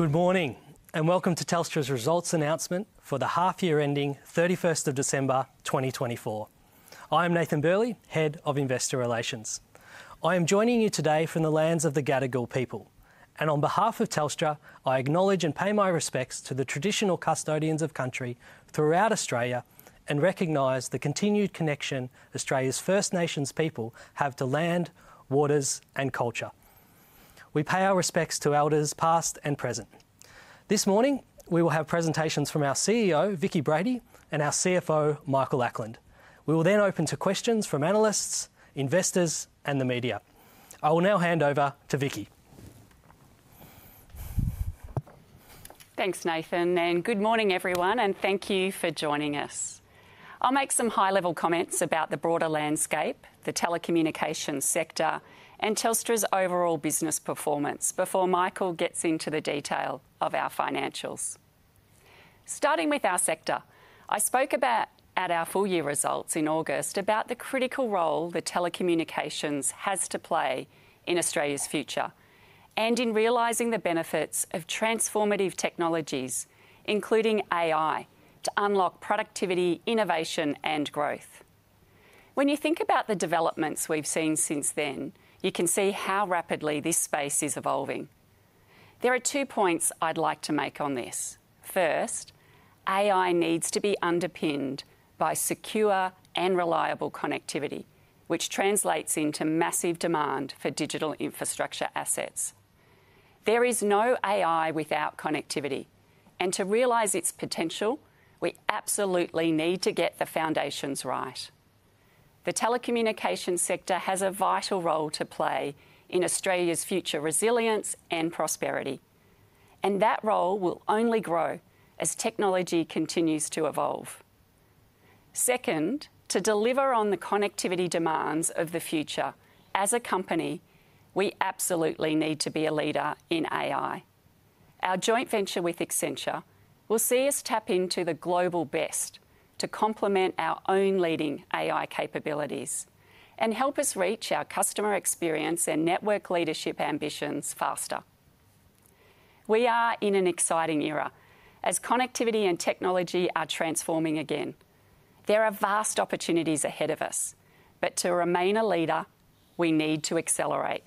Good morning and welcome to Telstra's results announcement for the half-year ending 31st of December 2024. I am Nathan Burley, Head of Investor Relations. I am joining you today from the lands of the Gadigal people, and on behalf of Telstra, I acknowledge and pay my respects to the traditional custodians of country throughout Australia and recognize the continued connection Australia's First Nations people have to land, waters, and culture. We pay our respects to Elders past and present. This morning, we will have presentations from our CEO, Vicki Brady, and our CFO, Michael Ackland. We will then open to questions from analysts, investors, and the media. I will now hand over to Vicki. Thanks, Nathan, and good morning, everyone, and thank you for joining us. I'll make some high-level comments about the broader landscape, the telecommunications sector, and Telstra's overall business performance before Michael gets into the detail of our financials. Starting with our sector, I spoke about, at our full-year results in August, about the critical role that telecommunications has to play in Australia's future and in realizing the benefits of transformative technologies, including AI, to unlock productivity, innovation, and growth. When you think about the developments we've seen since then, you can see how rapidly this space is evolving. There are two points I'd like to make on this. First, AI needs to be underpinned by secure and reliable connectivity, which translates into massive demand for digital infrastructure assets. There is no AI without connectivity, and to realize its potential, we absolutely need to get the foundations right. The telecommunications sector has a vital role to play in Australia's future resilience and prosperity, and that role will only grow as technology continues to evolve. Second, to deliver on the connectivity demands of the future, as a company, we absolutely need to be a leader in AI. Our joint venture with Accenture will see us tap into the global best to complement our own leading AI capabilities and help us reach our customer experience and network leadership ambitions faster. We are in an exciting era as connectivity and technology are transforming again. There are vast opportunities ahead of us, but to remain a leader, we need to accelerate.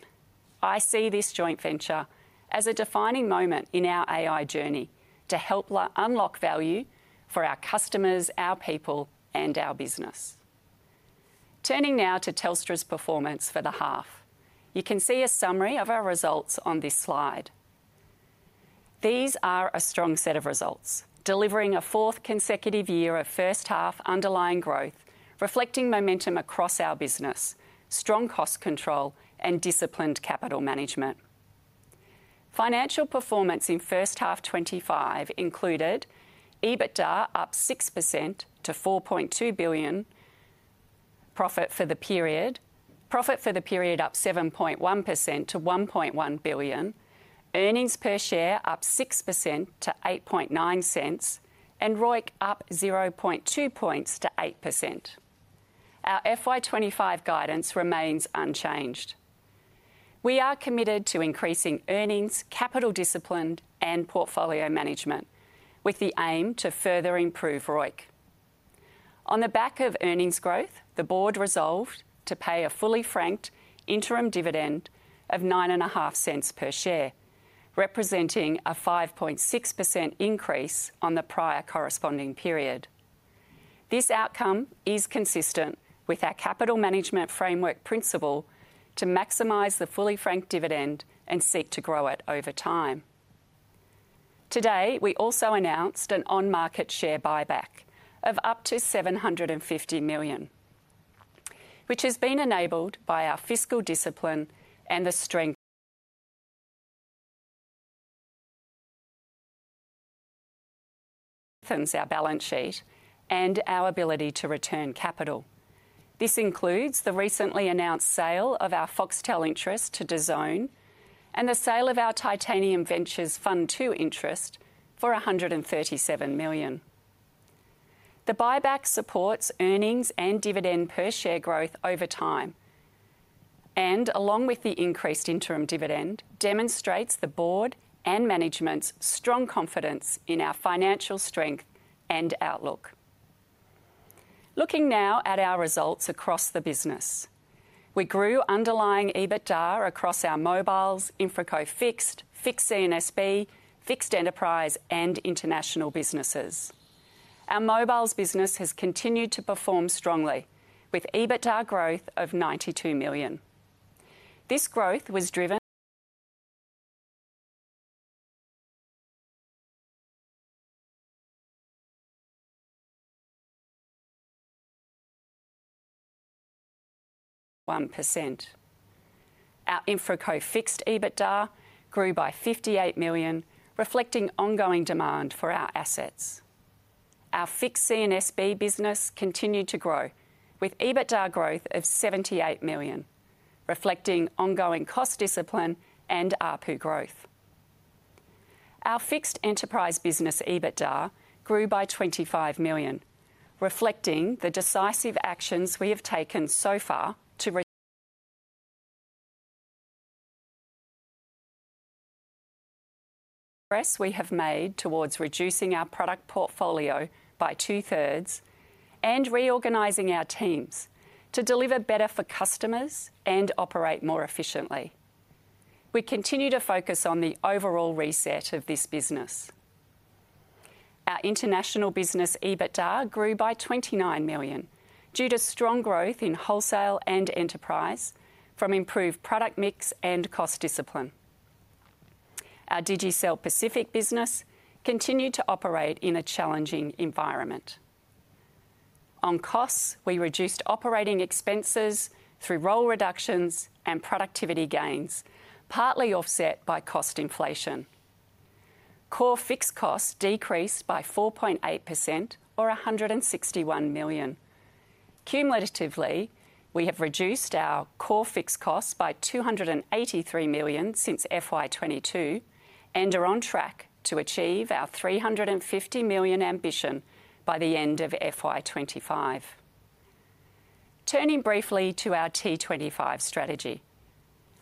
I see this joint venture as a defining moment in our AI journey to help unlock value for our customers, our people, and our business. Turning now to Telstra's performance for the half, you can see a summary of our results on this slide. These are a strong set of results, delivering a fourth consecutive year of first-half underlying growth, reflecting momentum across our business, strong cost control, and disciplined capital management. Financial performance in first half 2025 included EBITDA up 6% to 4.2 billion profit for the period, profit for the period up 7.1% to 1.1 billion, earnings per share up 6% to 0.89, and ROIC up 0.2 points to 8%. Our FY 2025 guidance remains unchanged. We are committed to increasing earnings, capital discipline, and portfolio management with the aim to further improve ROIC. On the back of earnings growth, the board resolved to pay a fully-franked interim dividend of 0.95 per share, representing a 5.6% increase on the prior corresponding period. This outcome is consistent with our capital management framework principle to maximize the fully-franked dividend and seek to grow it over time. Today, we also announced an on-market share buyback of up to 750 million, which has been enabled by our fiscal discipline and the strength of our balance sheet and our ability to return capital. This includes the recently announced sale of our Foxtel interest to DAZN and the sale of our Titanium Ventures Fund II interest for 137 million. The buyback supports earnings and dividend per share growth over time and, along with the increased interim dividend, demonstrates the board and management's strong confidence in our financial strength and outlook. Looking now at our results across the business, we grew underlying EBITDA across our mobiles, InfraCo Fixed, Fixed C&SB, Fixed Enterprise, and international businesses. Our mobiles business has continued to perform strongly, with EBITDA growth of 92 million. This growth was driven by 1%. Our InfraCo Fixed EBITDA grew by 58 million, reflecting ongoing demand for our assets. Our Fixed C&SB business continued to grow, with EBITDA growth of 78 million, reflecting ongoing cost discipline and ARPU growth. Our Fixed enterprise business EBITDA grew by 25 million, reflecting the decisive actions we have taken so far to address, we have made towards reducing our product portfolio by two-thirds and reorganizing our teams to deliver better for customers and operate more efficiently. We continue to focus on the overall reset of this business. Our international business EBITDA grew by 29 million due to strong growth in wholesale and enterprise from improved product mix and cost discipline. Our Digicel Pacific business continued to operate in a challenging environment. On costs, we reduced operating expenses through role reductions and productivity gains, partly offset by cost inflation. Core fixed costs decreased by 4.8%, or 161 million. Cumulatively, we have reduced our core fixed costs by 283 million since FY22 and are on track to achieve our 350 million ambition by the end of FY25. Turning briefly to our T25 strategy,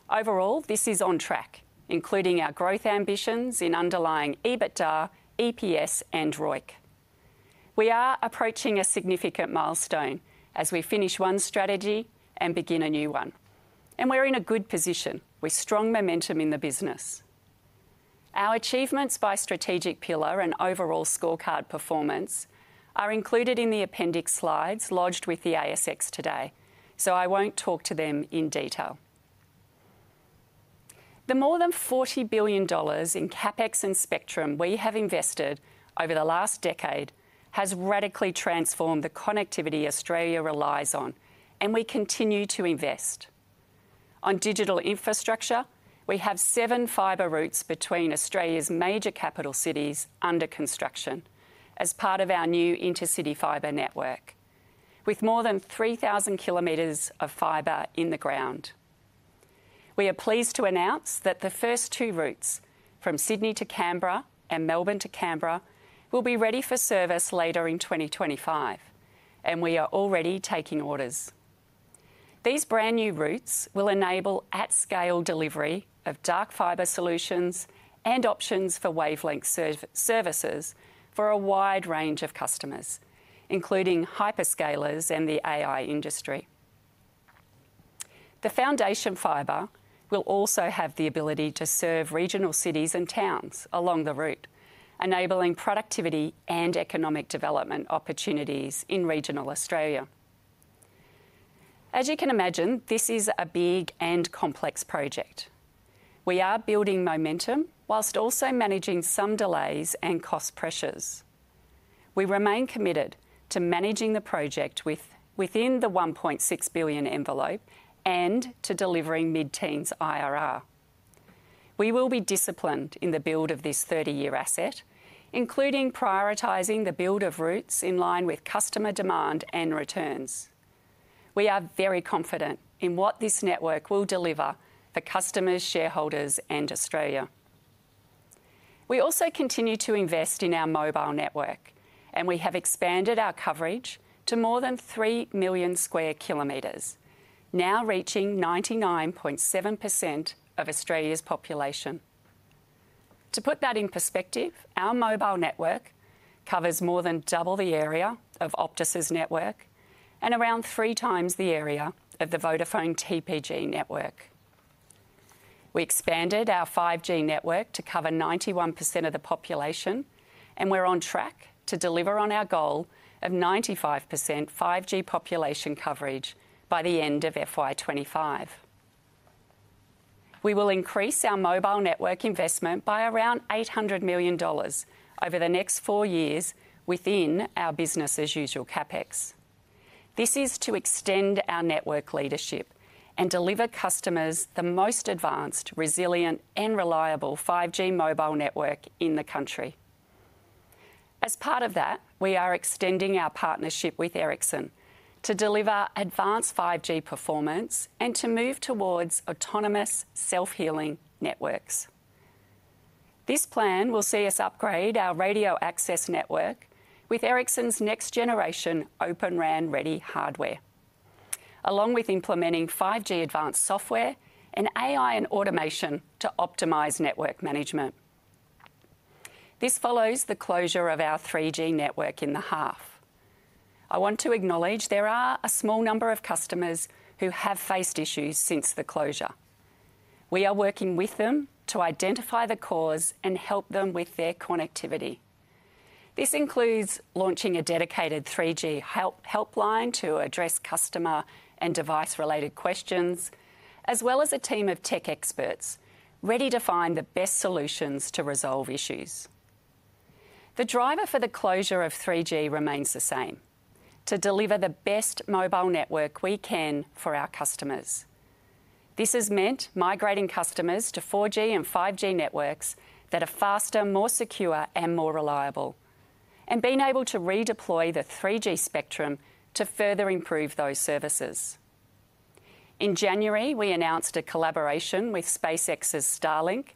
overall, this is on track, including our growth ambitions in underlying EBITDA, EPS, and ROIC. We are approaching a significant milestone as we finish one strategy and begin a new one, and we're in a good position with strong momentum in the business. Our achievements by strategic pillar and overall scorecard performance are included in the appendix slides lodged with the ASX today, so I won't talk to them in detail. The more than 40 billion dollars in CapEx and spectrum we have invested over the last decade has radically transformed the connectivity Australia relies on, and we continue to invest. On digital infrastructure, we have seven fiber routes between Australia's major capital cities under construction as part of our new Intercity Fiber Network, with more than 3,000 kilometers of fiber in the ground. We are pleased to announce that the first two routes from Sydney to Canberra and Melbourne to Canberra will be ready for service later in 2025, and we are already taking orders. These brand new routes will enable at-scale delivery of dark fiber solutions and options for wavelength services for a wide range of customers, including hyperscalers and the AI industry. The foundation fiber will also have the ability to serve regional cities and towns along the route, enabling productivity and economic development opportunities in regional Australia. As you can imagine, this is a big and complex project. We are building momentum while also managing some delays and cost pressures. We remain committed to managing the project within the 1.6 billion envelope and to delivering mid-teens IRR. We will be disciplined in the build of this 30-year asset, including prioritizing the build of routes in line with customer demand and returns. We are very confident in what this network will deliver for customers, shareholders, and Australia. We also continue to invest in our mobile network, and we have expanded our coverage to more than 3 million sq km, now reaching 99.7% of Australia's population. To put that in perspective, our mobile network covers more than double the area of Optus' network and around three times the area of the Vodafone TPG network. We expanded our 5G network to cover 91% of the population, and we're on track to deliver on our goal of 95% 5G population coverage by the end of FY25. We will increase our mobile network investment by around 800 million dollars over the next four years within our business-as-usual CapEx. This is to extend our network leadership and deliver customers the most advanced, resilient, and reliable 5G mobile network in the country. As part of that, we are extending our partnership with Ericsson to deliver advanced 5G performance and to move towards autonomous self-healing networks. This plan will see us upgrade our radio access network with Ericsson's next-generation Open RAN-ready hardware, along with implementing 5G Advanced software and AI and automation to optimize network management. This follows the closure of our 3G network in the half. I want to acknowledge there are a small number of customers who have faced issues since the closure. We are working with them to identify the cause and help them with their connectivity. This includes launching a dedicated 3G helpline to address customer and device-related questions, as well as a team of tech experts ready to find the best solutions to resolve issues. The driver for the closure of 3G remains the same: to deliver the best mobile network we can for our customers. This has meant migrating customers to 4G and 5G networks that are faster, more secure, and more reliable, and being able to redeploy the 3G spectrum to further improve those services. In January, we announced a collaboration with SpaceX's Starlink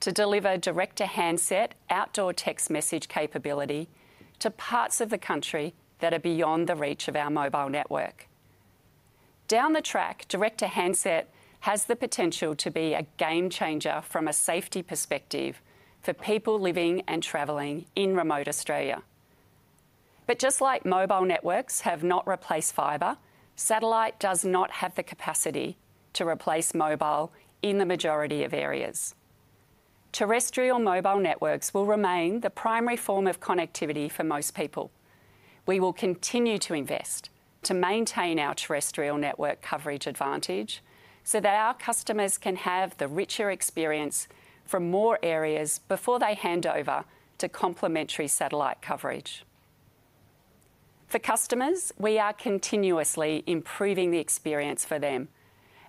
to deliver direct-to-handset outdoor text message capability to parts of the country that are beyond the reach of our mobile network. Down the track, direct-to-handset has the potential to be a game changer from a safety perspective for people living and travelling in remote Australia. But just like mobile networks have not replaced fibre, satellite does not have the capacity to replace mobile in the majority of areas. Terrestrial mobile networks will remain the primary form of connectivity for most people. We will continue to invest to maintain our terrestrial network coverage advantage so that our customers can have the richer experience from more areas before they hand over to complementary satellite coverage. For customers, we are continuously improving the experience for them,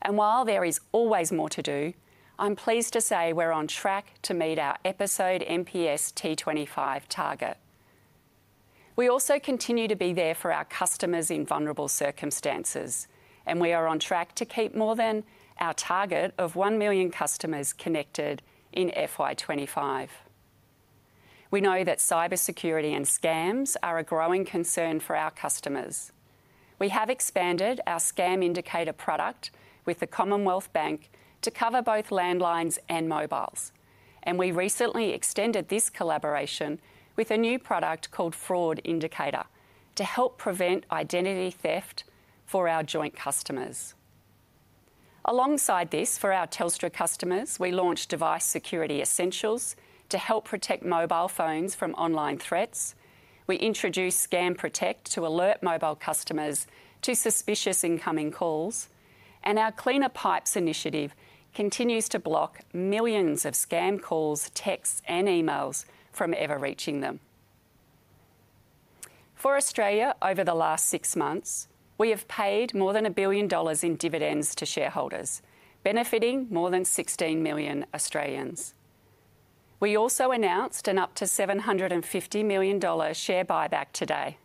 and while there is always more to do, I'm pleased to say we're on track to meet our EPS T25 target. We also continue to be there for our customers in vulnerable circumstances, and we are on track to keep more than our target of one million customers connected in FY25. We know that cybersecurity and scams are a growing concern for our customers. We have expanded our Scam Indicator product with the Commonwealth Bank to cover both landlines and mobiles, and we recently extended this collaboration with a new product called Fraud Indicator to help prevent identity theft for our joint customers. Alongside this, for our Telstra customers, we launched Device Security Essentials to help protect mobile phones from online threats. We introduced Scam Protect to alert mobile customers to suspicious incoming calls, and our Cleaner Pipes initiative continues to block millions of scam calls, texts, and emails from ever reaching them. For Australia, over the last six months, we have paid more than 1 billion dollars in dividends to shareholders, benefiting more than 16 million Australians. We also announced an up to 750 million dollar share buyback today.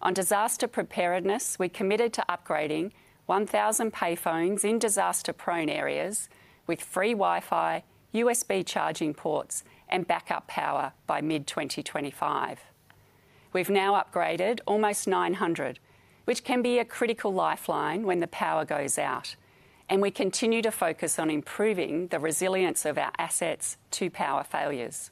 On disaster preparedness, we committed to upgrading 1,000 payphones in disaster-prone areas with free Wi-Fi, USB charging ports, and backup power by mid-2025. We've now upgraded almost 900, which can be a critical lifeline when the power goes out, and we continue to focus on improving the resilience of our assets to power failures.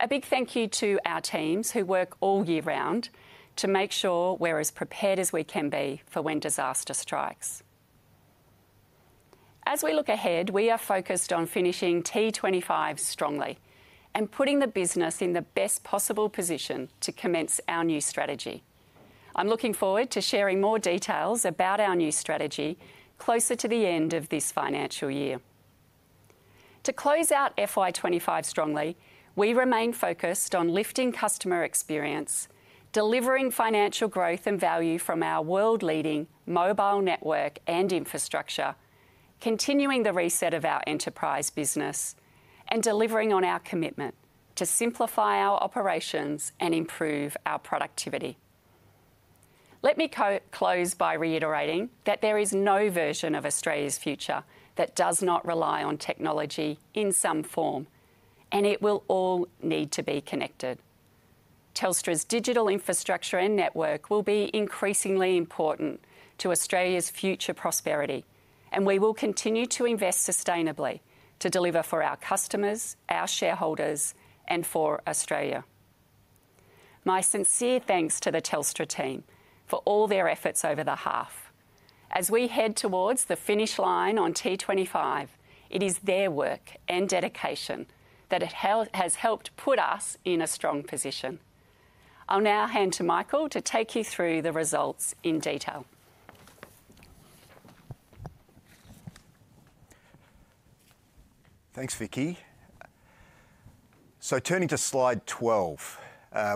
A big thank you to our teams who work all year round to make sure we're as prepared as we can be for when disaster strikes. As we look ahead, we are focused on finishing T25 strongly and putting the business in the best possible position to commence our new strategy. I'm looking forward to sharing more details about our new strategy closer to the end of this financial year. To close out FY25 strongly, we remain focused on lifting customer experience, delivering financial growth and value from our world-leading mobile network and infrastructure, continuing the reset of our enterprise business, and delivering on our commitment to simplify our operations and improve our productivity. Let me close by reiterating that there is no version of Australia's future that does not rely on technology in some form, and it will all need to be connected. Telstra's digital infrastructure and network will be increasingly important to Australia's future prosperity, and we will continue to invest sustainably to deliver for our customers, our shareholders, and for Australia. My sincere thanks to the Telstra team for all their efforts over the half. As we head towards the finish line on T25, it is their work and dedication that has helped put us in a strong position. I'll now hand to Michael to take you through the results in detail. Thanks, Vicki. So turning to slide 12,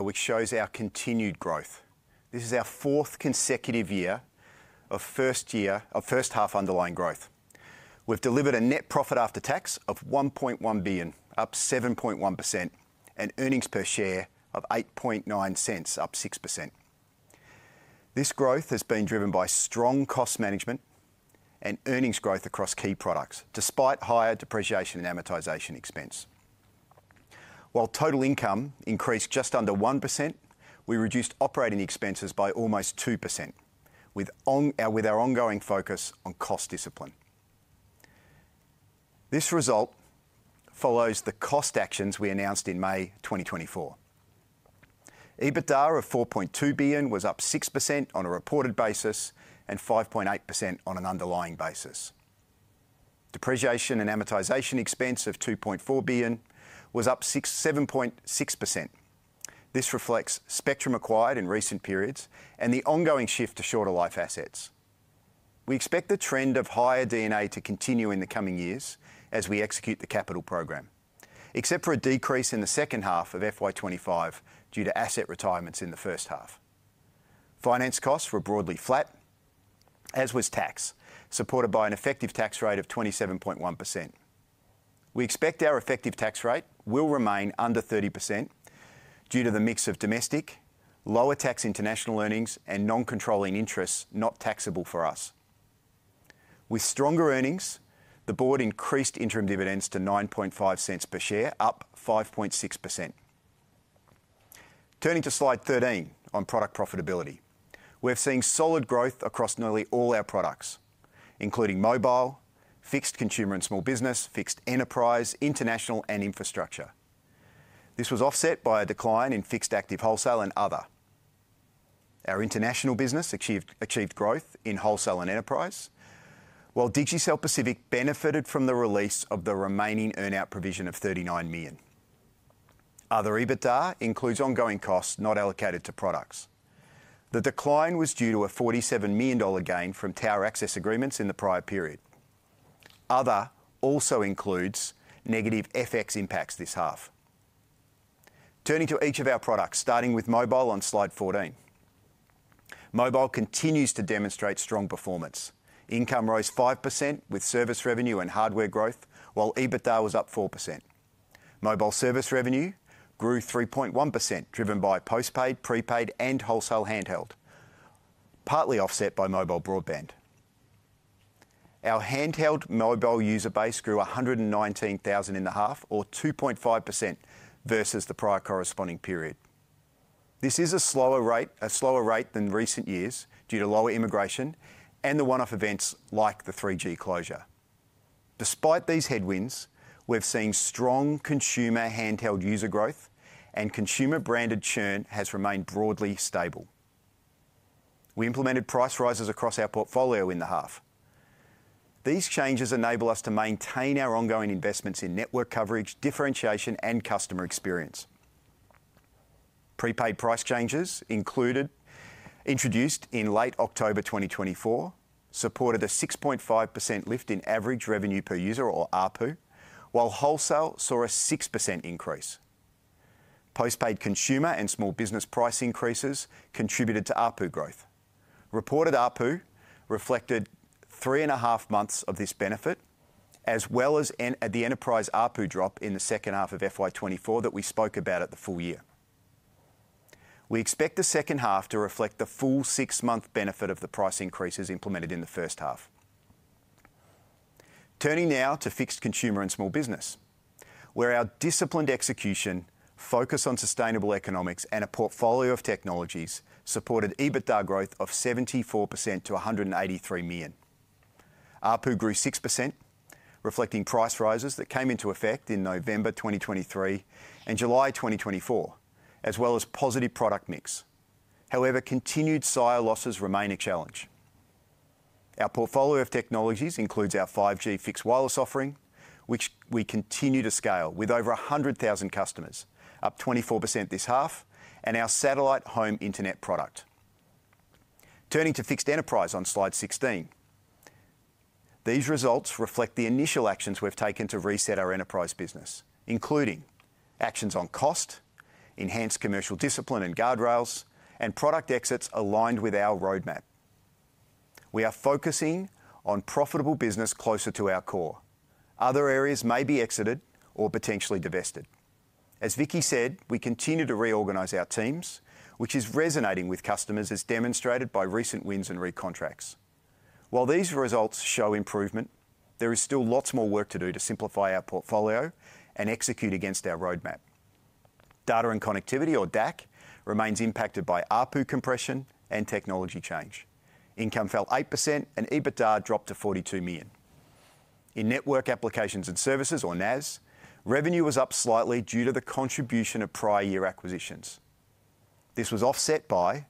which shows our continued growth. This is our fourth consecutive year of first-half underlying growth. We've delivered a net profit after tax of $1.1 billion, up 7.1%, and earnings per share of $0.089, up 6%. This growth has been driven by strong cost management and earnings growth across key products, despite higher depreciation and amortization expense. While total income increased just under 1%, we reduced operating expenses by almost 2% with our ongoing focus on cost discipline. This result follows the cost actions we announced in May 2024. EBITDA of $4.2 billion was up 6% on a reported basis and 5.8% on an underlying basis. Depreciation and amortization expense of $2.4 billion was up 7.6%. This reflects spectrum acquired in recent periods and the ongoing shift to shorter life assets. We expect the trend of higher D&A to continue in the coming years as we execute the capital program, except for a decrease in the second half of FY25 due to asset retirements in the first half. Finance costs were broadly flat, as was tax, supported by an effective tax rate of 27.1%. We expect our effective tax rate will remain under 30% due to the mix of domestic, lower tax international earnings, and non-controlling interest not taxable for us. With stronger earnings, the board increased interim dividends to 0.095 per share, up 5.6%. Turning to slide 13 on product profitability, we're seeing solid growth across nearly all our products, including mobile, fixed consumer and small business, fixed enterprise, international, and infrastructure. This was offset by a decline in Fixed Access Wholesale and other. Our international business achieved growth in wholesale and enterprise, while Digicel Pacific benefited from the release of the remaining earnout provision of 39 million. Other EBITDA includes ongoing costs not allocated to products. The decline was due to a AUD 47 million gain from tower access agreements in the prior period. Other also includes negative FX impacts this half. Turning to each of our products, starting with mobile on slide 14. Mobile continues to demonstrate strong performance. Income rose 5% with service revenue and hardware growth, while EBITDA was up 4%. Mobile service revenue grew 3.1%, driven by postpaid, prepaid, and wholesale handheld, partly offset by mobile broadband. Our handheld mobile user base grew 119,000 in the half, or 2.5% versus the prior corresponding period. This is a slower rate than recent years due to lower immigration and the one-off events like the 3G closure. Despite these headwinds, we've seen strong consumer handheld user growth, and consumer branded churn has remained broadly stable. We implemented price rises across our portfolio in the half. These changes enable us to maintain our ongoing investments in network coverage, differentiation, and customer experience. Prepaid price changes introduced in late October 2024 supported a 6.5% lift in average revenue per user, or ARPU, while wholesale saw a 6% increase. Postpaid consumer and small business price increases contributed to ARPU growth. Reported ARPU reflected three and a half months of this benefit, as well as the enterprise ARPU drop in the second half of FY24 that we spoke about at the full year. We expect the second half to reflect the full six-month benefit of the price increases implemented in the first half. Turning now to fixed consumer and small business, where our disciplined execution, focus on sustainable economics, and a portfolio of technologies supported EBITDA growth of 74% to 183 million. ARPU grew 6%, reflecting price rises that came into effect in November 2023 and July 2024, as well as positive product mix. However, continued SIO losses remain a challenge. Our portfolio of technologies includes our 5G fixed wireless offering, which we continue to scale with over 100,000 customers, up 24% this half, and our satellite home internet product. Turning to fixed enterprise on slide 16, these results reflect the initial actions we've taken to reset our enterprise business, including actions on cost, enhanced commercial discipline and guardrails, and product exits aligned with our roadmap. We are focusing on profitable business closer to our core. Other areas may be exited or potentially divested. As Vicki said, we continue to reorganize our teams, which is resonating with customers, as demonstrated by recent wins and recontracts. While these results show improvement, there is still lots more work to do to simplify our portfolio and execute against our roadmap. Data and connectivity, or DAC, remains impacted by ARPU compression and technology change. Income fell 8%, and EBITDA dropped to 42 million. In network applications and services, or NAS, revenue was up slightly due to the contribution of prior year acquisitions. This was offset by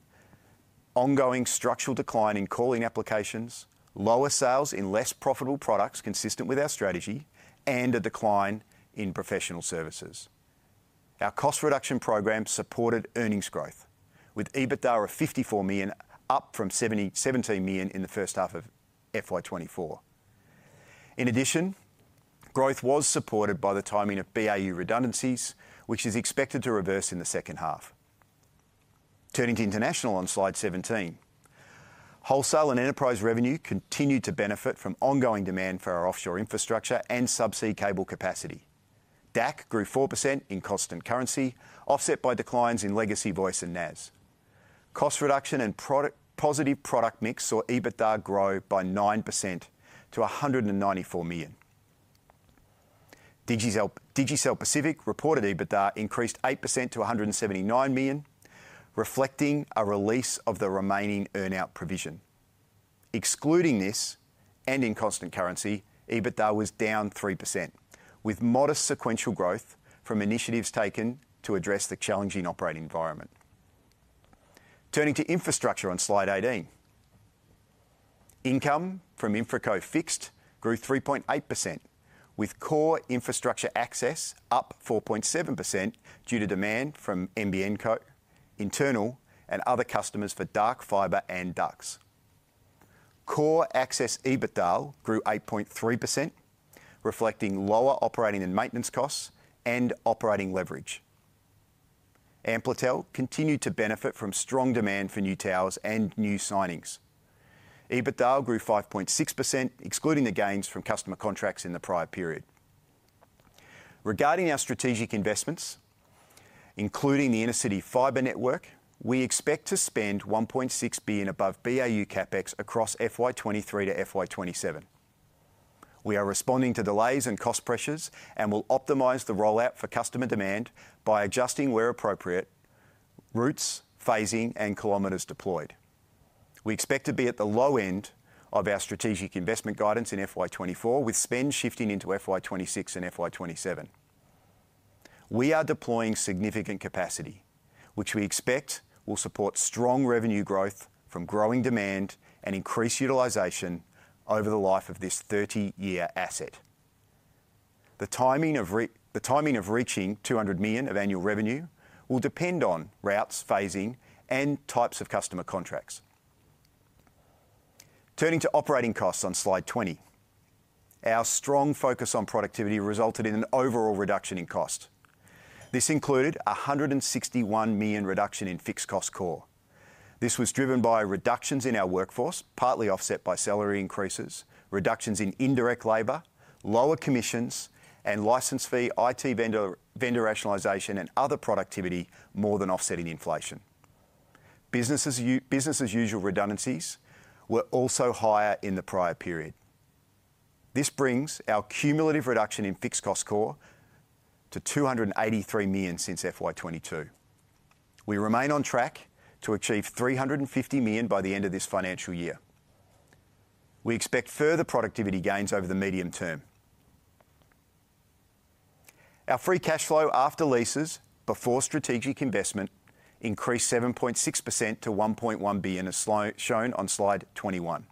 ongoing structural decline in calling applications, lower sales in less profitable products consistent with our strategy, and a decline in professional services. Our cost reduction program supported earnings growth, with EBITDA of 54 million, up from 17 million in the first half of FY24. In addition, growth was supported by the timing of BAU redundancies, which is expected to reverse in the second half. Turning to international on slide 17, wholesale and enterprise revenue continued to benefit from ongoing demand for our offshore infrastructure and subsea cable capacity. DAC grew 4% in cost and currency, offset by declines in legacy voice and NAS. Cost reduction and positive product mix saw EBITDA grow by 9% to 194 million. Digicel Pacific reported EBITDA increased 8% to 179 million, reflecting a release of the remaining earnout provision. Excluding this and in constant currency, EBITDA was down 3%, with modest sequential growth from initiatives taken to address the challenging operating environment. Turning to infrastructure on slide 18, income from InfraCo fixed grew 3.8%, with core infrastructure access up 4.7% due to demand from NBN Co, internal, and other customers for Dark Fiber and Ducts. Core access EBITDA grew 8.3%, reflecting lower operating and maintenance costs and operating leverage. Amplitel continued to benefit from strong demand for new towers and new signings. EBITDA grew 5.6%, excluding the gains from customer contracts in the prior period. Regarding our strategic investments, including the Intercity Fibre Network, we expect to spend 1.6 billion above BAU CapEx across FY 2023 to FY 2027. We are responding to delays and cost pressures and will optimize the rollout for customer demand by adjusting where appropriate, routes, phasing, and kilometers deployed. We expect to be at the low end of our strategic investment guidance in FY 2024, with spend shifting into FY 2026 and FY 2027. We are deploying significant capacity, which we expect will support strong revenue growth from growing demand and increased utilization over the life of this 30-year asset. The timing of reaching $200 million of annual revenue will depend on routes, phasing, and types of customer contracts. Turning to operating costs on slide 20, our strong focus on productivity resulted in an overall reduction in cost. This included a $161 million reduction in fixed cost core. This was driven by reductions in our workforce, partly offset by salary increases, reductions in indirect labor, lower commissions, and license fee, IT vendor rationalization, and other productivity more than offsetting inflation. Business-as-usual redundancies were also higher in the prior period. This brings our cumulative reduction in fixed cost core to $283 million since FY22. We remain on track to achieve $350 million by the end of this financial year. We expect further productivity gains over the medium term. Our free cash flow after leases before strategic investment increased 7.6% to $1.1 billion, as shown on slide 21.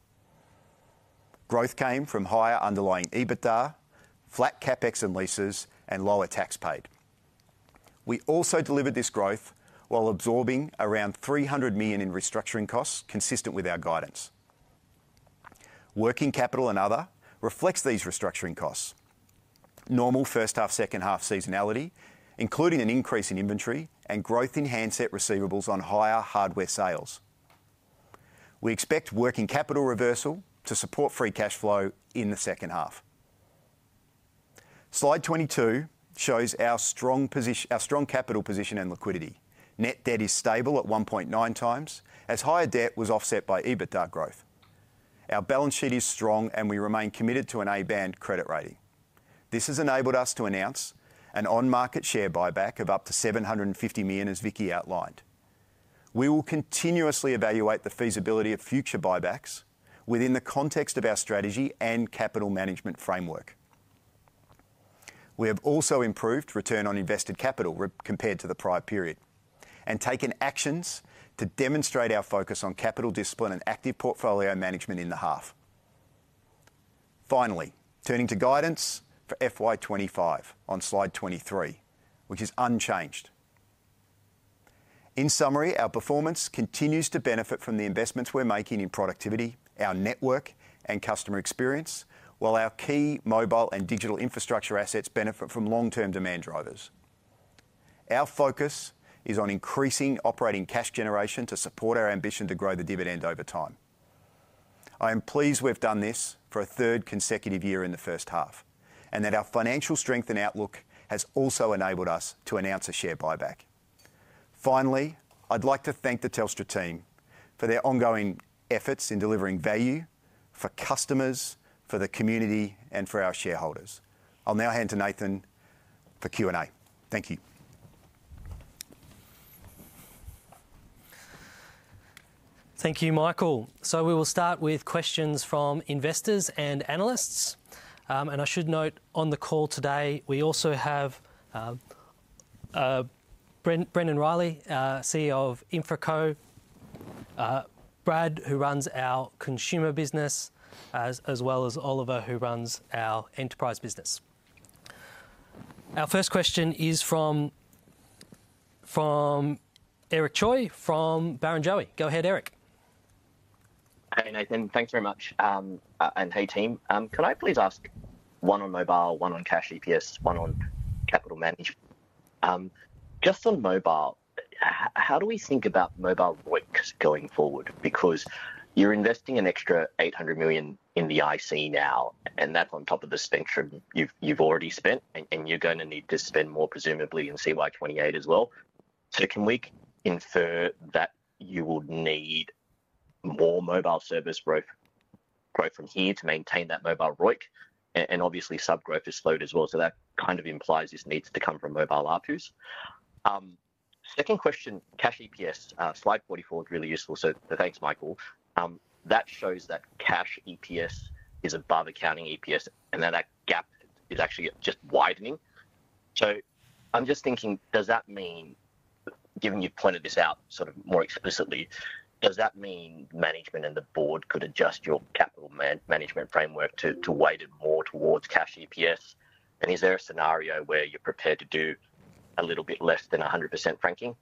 Growth came from higher underlying EBITDA, flat CapEx and leases, and lower tax paid. We also delivered this growth while absorbing around 300 million in restructuring costs consistent with our guidance. Working capital and other reflects these restructuring costs. Normal first-half, second-half seasonality, including an increase in inventory and growth in handset receivables on higher hardware sales. We expect working capital reversal to support free cash flow in the second half. Slide 22 shows our strong capital position and liquidity. Net debt is stable at 1.9 times, as higher debt was offset by EBITDA growth. Our balance sheet is strong, and we remain committed to an A-band credit rating. This has enabled us to announce an on-market share buyback of up to 750 million, as Vicki outlined. We will continuously evaluate the feasibility of future buybacks within the context of our strategy and capital management framework. We have also improved return on invested capital compared to the prior period and taken actions to demonstrate our focus on capital discipline and active portfolio management in the half. Finally, turning to guidance for FY25 on slide 23, which is unchanged. In summary, our performance continues to benefit from the investments we're making in productivity, our network, and customer experience, while our key mobile and digital infrastructure assets benefit from long-term demand drivers. Our focus is on increasing operating cash generation to support our ambition to grow the dividend over time. I am pleased we've done this for a third consecutive year in the first half and that our financial strength and outlook has also enabled us to announce a share buyback. Finally, I'd like to thank the Telstra team for their ongoing efforts in delivering value for customers, for the community, and for our shareholders. I'll now hand to Nathan for Q&A. Thank you. Thank you, Michael. So we will start with questions from investors and analysts. And I should note on the call today, we also have Brendon Riley, CEO of InfraCo, Brad, who runs our consumer business, as well as Oliver, who runs our enterprise business. Our first question is from Eric Choi from Barrenjoey. Go ahead, Eric. Hey, Nathan, thanks very much. And hey, team. Can I please ask? One on mobile, one on cash EPS, one on capital management. Just on mobile, how do we think about mobile ROICs going forward? Because you're investing an extra 800 million in the IC now, and that's on top of the spend you've already spent, and you're going to need to spend more, presumably, in CY28 as well. So can we infer that you will need more mobile service growth from here to maintain that mobile ROIC? And obviously, subgrowth is slowed as well. So that kind of implies this needs to come from mobile ARPUs. Second question, cash EPS. Slide 44 is really useful, so thanks, Michael. That shows that cash EPS is above accounting EPS, and that gap is actually just widening. So I'm just thinking, does that mean, given you pointed this out sort of more explicitly, does that mean management and the board could adjust your capital management framework to weight it more towards cash EPS? And is there a scenario where you're prepared to do a little bit less than 100% franking?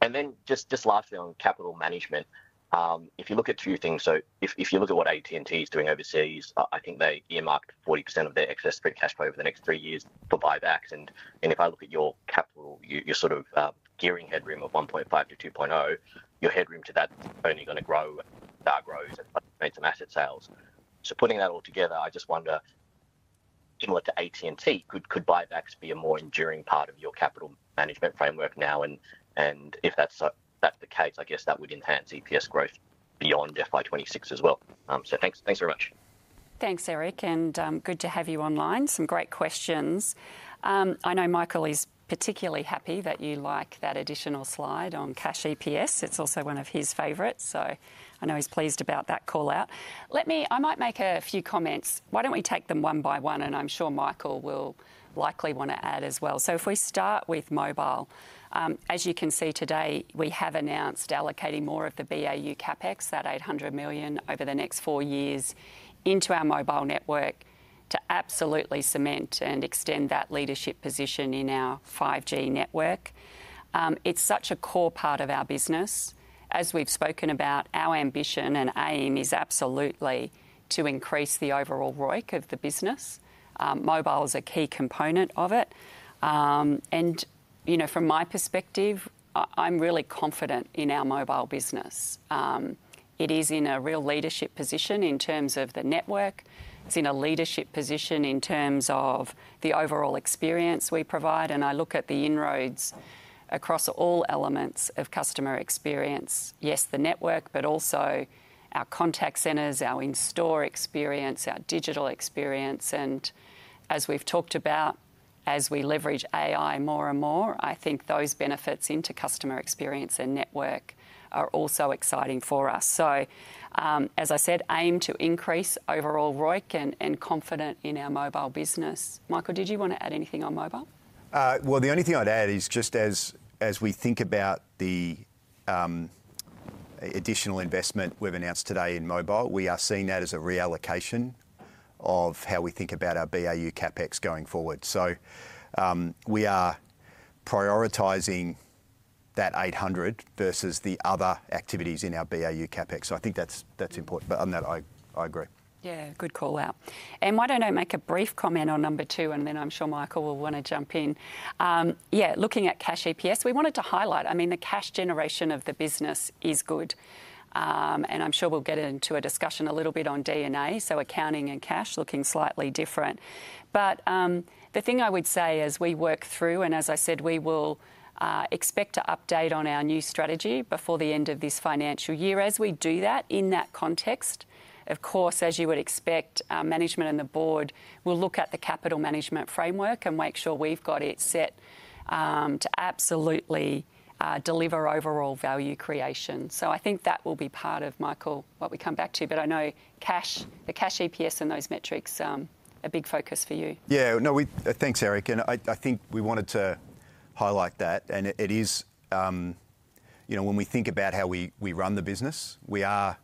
And then just lastly on capital management, if you look at two things, so if you look at what AT&T is doing overseas, I think they earmarked 40% of their excess free cash flow over the next three years for buybacks. And if I look at your capital, your sort of gearing headroom of 1.5-2.0, your headroom to that is only going to grow as that grows and make some asset sales. So putting that all together, I just wonder, similar to AT&T, could buybacks be a more enduring part of your capital management framework now? And if that's the case, I guess that would enhance EPS growth beyond FY26 as well. So thanks very much. Thanks, Eric, and good to have you online. Some great questions. I know Michael is particularly happy that you like that additional slide on cash EPS. It's also one of his favourites, so I know he's pleased about that call out. Let me, I might make a few comments. Why don't we take them one by one, and I'm sure Michael will likely want to add as well. So if we start with mobile, as you can see today, we have announced allocating more of the BAU CapEx, that 800 million over the next four years into our mobile network to absolutely cement and extend that leadership position in our 5G network. It's such a core part of our business. As we've spoken about, our ambition and aim is absolutely to increase the overall ROIC of the business. Mobile is a key component of it. And from my perspective, I'm really confident in our mobile business. It is in a real leadership position in terms of the network. It's in a leadership position in terms of the overall experience we provide, and I look at the inroads across all elements of customer experience. Yes, the network, but also our contact centers, our in-store experience, our digital experience, and as we've talked about, as we leverage AI more and more, I think those benefits into customer experience and network are also exciting for us, so, as I said, aim to increase overall ROIC and confident in our mobile business. Michael, did you want to add anything on mobile? Well, the only thing I'd add is just as we think about the additional investment we've announced today in mobile, we are seeing that as a reallocation of how we think about our BAU CapEx going forward, so we are prioritizing that 800 million versus the other activities in our BAU CapEx. So I think that's important, but on that, I agree. Yeah, good call out. And why don't I make a brief comment on number two, and then I'm sure Michael will want to jump in. Yeah, looking at cash EPS, we wanted to highlight, I mean, the cash generation of the business is good. And I'm sure we'll get into a discussion a little bit on D&A, so accounting and cash looking slightly different. But the thing I would say as we work through, and as I said, we will expect to update on our new strategy before the end of this financial year. As we do that, in that context, of course, as you would expect, management and the board will look at the capital management framework and make sure we've got it set to absolutely deliver overall value creation. I think that will be part of, Michael, what we come back to. I know cash, the cash EPS and those metrics, a big focus for you. Yeah, no, thanks, Eric. I think we wanted to highlight that. It is, you know, when we think about how we run the business, we are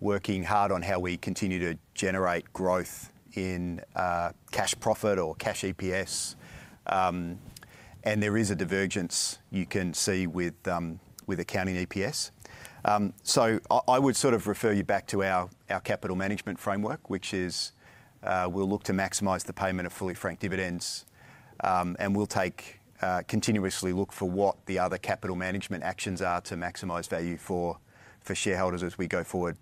working hard on how we continue to generate growth in cash profit or cash EPS. There is a divergence you can see with accounting EPS. I would sort of refer you back to our capital management framework, which is we'll look to maximize the payment of fully franked dividends. We'll continue to look for what the other capital management actions are to maximize value for shareholders as we go forward.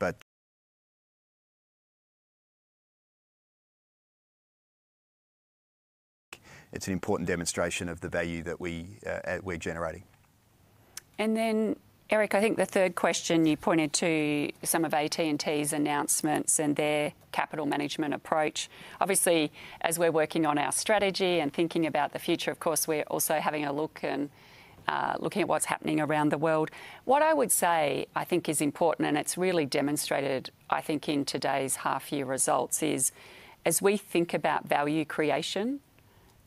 It's an important demonstration of the value that we're generating. Then, Eric, I think the third question, you pointed to some of AT&T's announcements and their capital management approach. Obviously, as we're working on our strategy and thinking about the future, of course, we're also having a look and looking at what's happening around the world. What I would say, I think, is important, and it's really demonstrated, I think, in today's half-year results, is as we think about value creation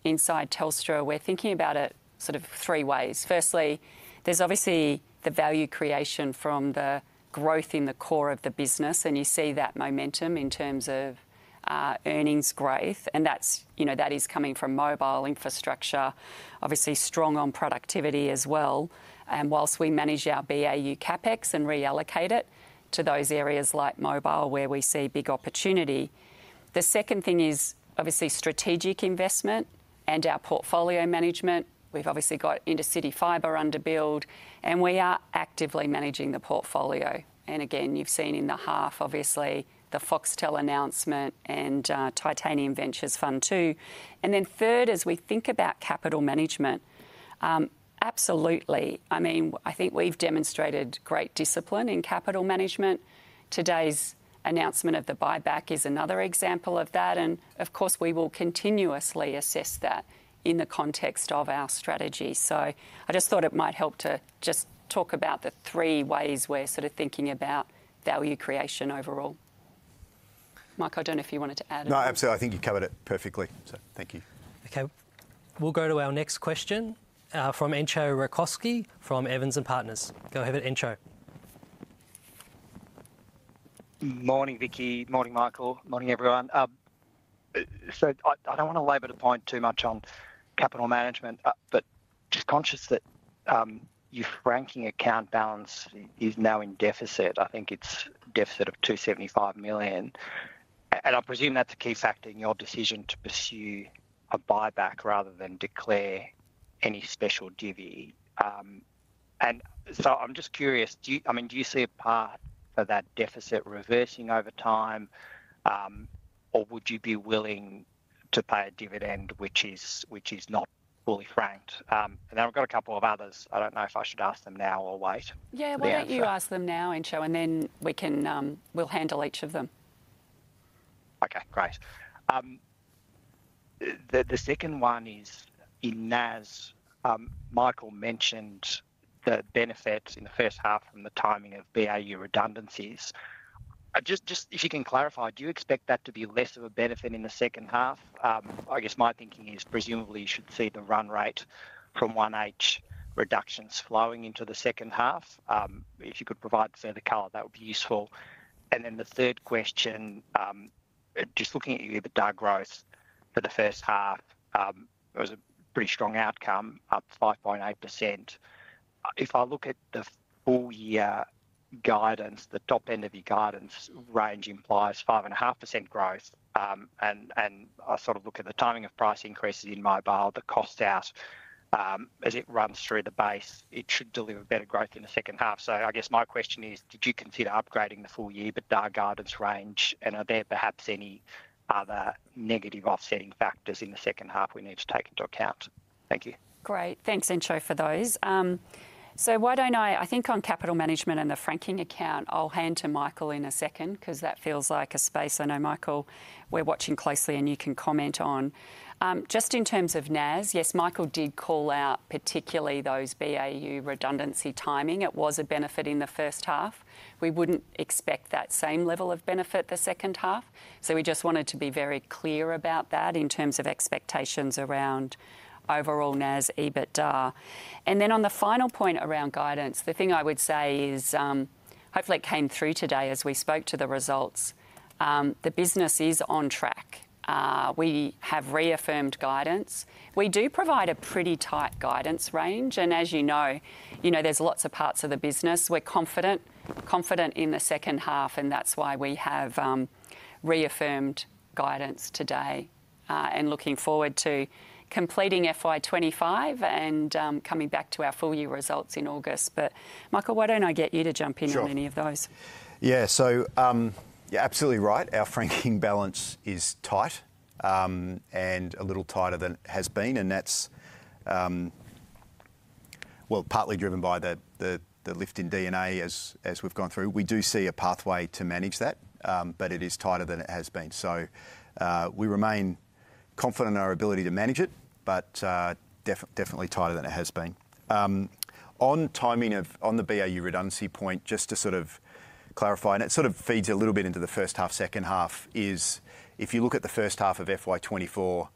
inside Telstra, we're thinking about it sort of three ways. Firstly, there's obviously the value creation from the growth in the core of the business, and you see that momentum in terms of earnings growth. And that's, you know, that is coming from mobile infrastructure, obviously strong on productivity as well. While we manage our BAU CapEx and reallocate it to those areas like mobile where we see big opportunity, the second thing is obviously strategic investment and our portfolio management. We've obviously got Intercity Fiber under build, and we are actively managing the portfolio. Again, you've seen in the half, obviously, the Foxtel announcement and Titanium Ventures Fund too. Then third, as we think about capital management, absolutely. I mean, I think we've demonstrated great discipline in capital management. Today's announcement of the buyback is another example of that. Of course, we will continuously assess that in the context of our strategy. So I just thought it might help to just talk about the three ways we're sort of thinking about value creation overall. Michael, I don't know if you wanted to add anything. No, absolutely. I think you covered it perfectly. So thank you. Okay, we'll go to our next question from Entcho Raykovski from Evans and Partners. Go ahead with Entcho. Morning, Vicki. Morning, Michael. Morning, everyone. So I don't want to labor the point too much on capital management, but just conscious that your franking account balance is now in deficit. I think it's a deficit of 275 million. And I presume that's a key factor in your decision to pursue a buyback rather than declare any special dividend. And so I'm just curious, I mean, do you see a path for that deficit reversing over time, or would you be willing to pay a dividend which is not fully franked? And then we've got a couple of others. I don't know if I should ask them now or wait. Yeah, why don't you ask them now, Entcho, and then we'll handle each of them. Okay, great. The second one is in NAS. Michael mentioned the benefit in the first half from the timing of BAU redundancies. Just if you can clarify, do you expect that to be less of a benefit in the second half? I guess my thinking is presumably you should see the run rate from 1H reductions flowing into the second half. If you could provide further color, that would be useful. And then the third question, just looking at your EBITDA growth for the first half, it was a pretty strong outcome, up 5.8%. If I look at the full-year guidance, the top end of your guidance range implies 5.5% growth. And I sort of look at the timing of price increases in mobile, the cost out as it runs through the base, it should deliver better growth in the second half. So I guess my question is, did you consider upgrading the full-year EBITDA guidance range, and are there perhaps any other negative offsetting factors in the second half we need to take into account? Thank you. Great. Thanks, Entcho, for those. So why don't I, I think on capital management and the franking account, I'll hand to Michael in a second because that feels like a space I know, Michael, we're watching closely and you can comment on. Just in terms of NAS, yes, Michael did call out particularly those BAU redundancy timing. It was a benefit in the first half. We wouldn't expect that same level of benefit the second half. So we just wanted to be very clear about that in terms of expectations around overall NAS EBITDA. And then, on the final point around guidance, the thing I would say is hopefully it came through today as we spoke to the results. The business is on track. We have reaffirmed guidance. We do provide a pretty tight guidance range. And as you know, you know there's lots of parts of the business. We're confident in the second half, and that's why we have reaffirmed guidance today and looking forward to completing FY25 and coming back to our full-year results in August. But Michael, why don't I get you to jump in on any of those? Yeah, so you're absolutely right. Our franking balance is tight and a little tighter than it has been. And that's, well, partly driven by the lift in D&A as we've gone through. We do see a pathway to manage that, but it is tighter than it has been. We remain confident in our ability to manage it, but definitely tighter than it has been. On timing of, on the BAU redundancy point, just to sort of clarify, and it sort of feeds a little bit into the first half, second half, is if you look at the first half of FY24,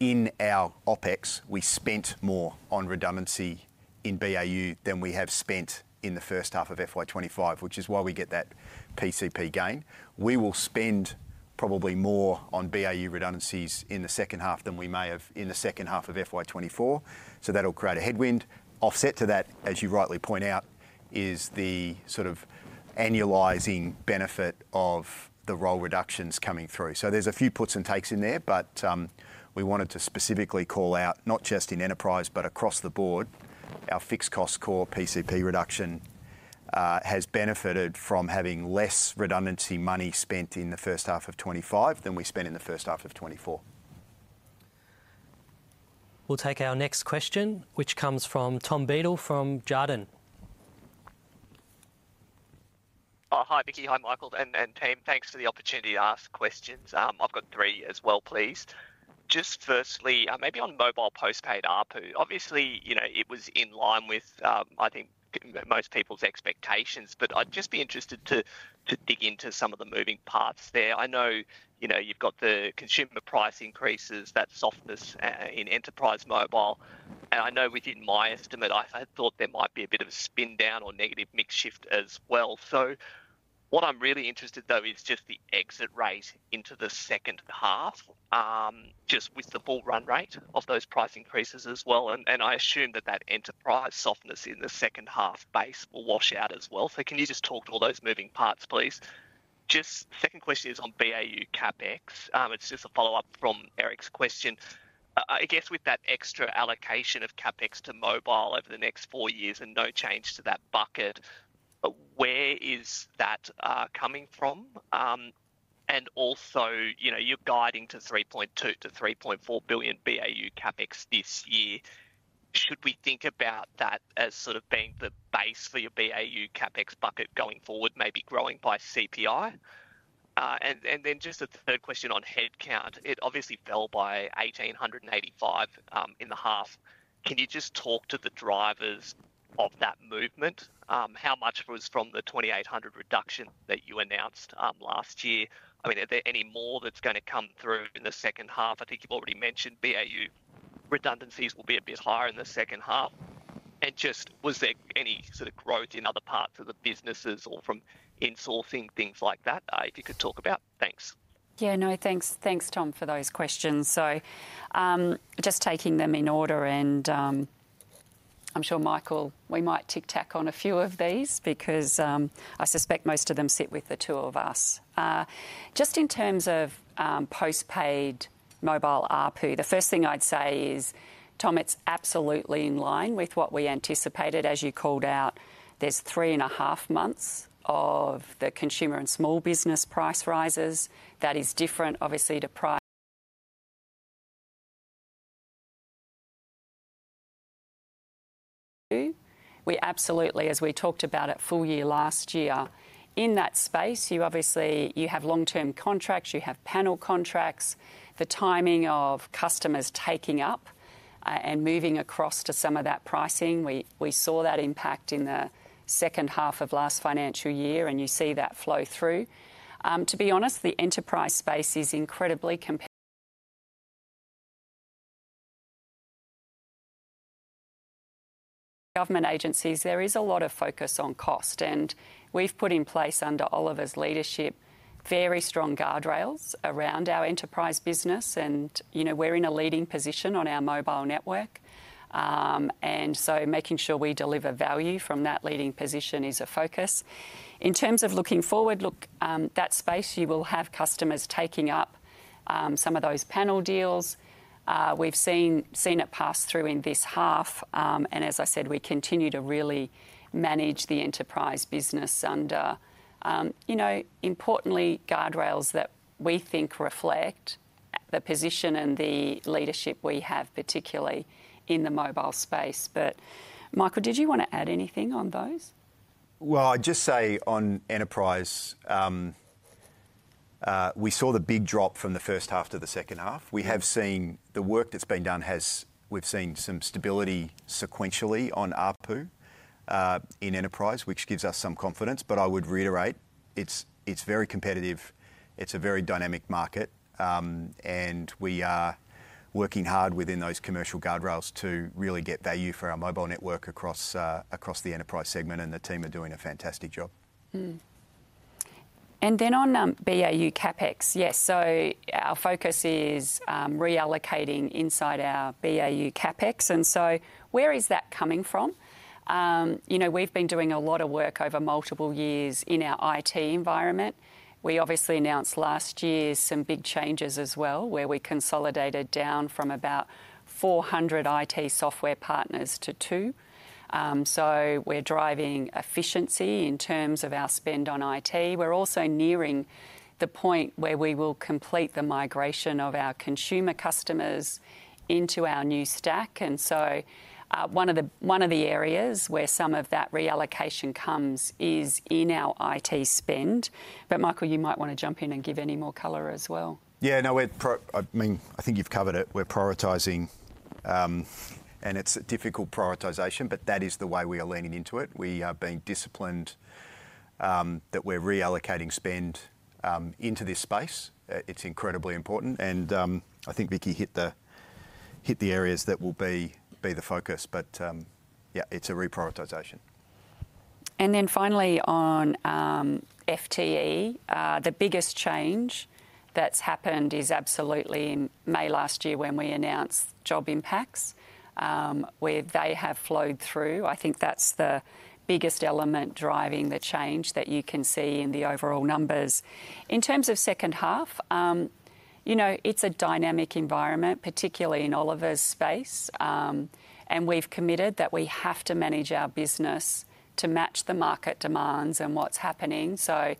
in our OpEx, we spent more on redundancy in BAU than we have spent in the first half of FY25, which is why we get that PCP gain. We will spend probably more on BAU redundancies in the second half than we may have in the second half of FY24. So that'll create a headwind. Offset to that, as you rightly point out, is the sort of annualising benefit of the roll reductions coming through. So there's a few puts and takes in there, but we wanted to specifically call out, not just in enterprise, but across the board, our fixed cost core PCP reduction has benefited from having less redundancy money spent in the first half of 2025 than we spent in the first half of 2024. We'll take our next question, which comes from Tom Beadle from Jarden. Hi, Vicki. Hi, Michael and team. Thanks for the opportunity to ask questions. I've got three as well, please. Just firstly, maybe on mobile postpaid ARPU, obviously, you know, it was in line with, I think, most people's expectations, but I'd just be interested to dig into some of the moving parts there. I know, you know, you've got the consumer price increases, that softness in enterprise mobile. I know within my estimate, I thought there might be a bit of a spin down or negative mix shift as well. What I'm really interested in, though, is just the exit rate into the second half, just with the full run rate of those price increases as well. I assume that that enterprise softness in the second half base will wash out as well. Can you just talk to all those moving parts, please? Just, second question is on BAU CapEx. It's just a follow-up from Eric's question. I guess with that extra allocation of CapEx to mobile over the next four years and no change to that bucket, where is that coming from? Also, you know, you're guiding to 3.2-3.4 billion BAU CapEx this year. Should we think about that as sort of being the base for your BAU CapEx bucket going forward, maybe growing by CPI? And then just a third question on headcount. It obviously fell by 1,885 in the half. Can you just talk to the drivers of that movement? How much was from the 2,800 reduction that you announced last year? I mean, are there any more that's going to come through in the second half? I think you've already mentioned BAU redundancies will be a bit higher in the second half. And just was there any sort of growth in other parts of the businesses or from insourcing, things like that? If you could talk about, thanks. Yeah, no, thanks. Thanks, Tom, for those questions. So just taking them in order. I'm sure, Michael, we might touch on a few of these because I suspect most of them sit with the two of us. Just in terms of postpaid mobile ARPU, the first thing I'd say is, Tom, it's absolutely in line with what we anticipated. As you called out, there's three and a half months of the consumer and small business price rises. That is different, obviously, to price. We absolutely, as we talked about at full year last year, in that space, you obviously have long-term contracts, you have panel contracts, the timing of customers taking up and moving across to some of that pricing. We saw that impact in the second half of last financial year, and you see that flow through. To be honest, the enterprise space is incredibly competitive. Government agencies, there is a lot of focus on cost, and we've put in place under Oliver's leadership very strong guardrails around our enterprise business, and you know, we're in a leading position on our mobile network, and so making sure we deliver value from that leading position is a focus. In terms of looking forward, look, that space, you will have customers taking up some of those panel deals. We've seen it pass through in this half, and as I said, we continue to really manage the enterprise business under, you know, importantly, guardrails that we think reflect the position and the leadership we have, particularly in the mobile space, but Michael, did you want to add anything on those? Well, I'd just say on enterprise, we saw the big drop from the first half to the second half. We have seen the work that's been done, we've seen some stability sequentially on ARPU in enterprise, which gives us some confidence. But I would reiterate, it's very competitive. It's a very dynamic market. And we are working hard within those commercial guardrails to really get value for our mobile network across the enterprise segment. And the team are doing a fantastic job. And then on BAU CapEx, yes, so our focus is reallocating inside our BAU CapEx. And so where is that coming from? You know, we've been doing a lot of work over multiple years in our IT environment. We obviously announced last year some big changes as well, where we consolidated down from about 400 IT software partners to two. So we're driving efficiency in terms of our spend on IT. We're also nearing the point where we will complete the migration of our consumer customers into our new stack. And so one of the areas where some of that reallocation comes is in our IT spend. But Michael, you might want to jump in and give any more color as well. Yeah, no, I mean, I think you've covered it. We're prioritizing, and it's a difficult prioritization, but that is the way we are leaning into it. We are being disciplined that we're reallocating spend into this space. It's incredibly important. And I think Vicki hit the areas that will be the focus. But yeah, it's a reprioritization. And then finally on FTE, the biggest change that's happened is absolutely in May last year when we announced job impacts where they have flowed through. I think that's the biggest element driving the change that you can see in the overall numbers. In terms of second half, you know, it's a dynamic environment, particularly in Oliver's space. And we've committed that we have to manage our business to match the market demands and what's happening. So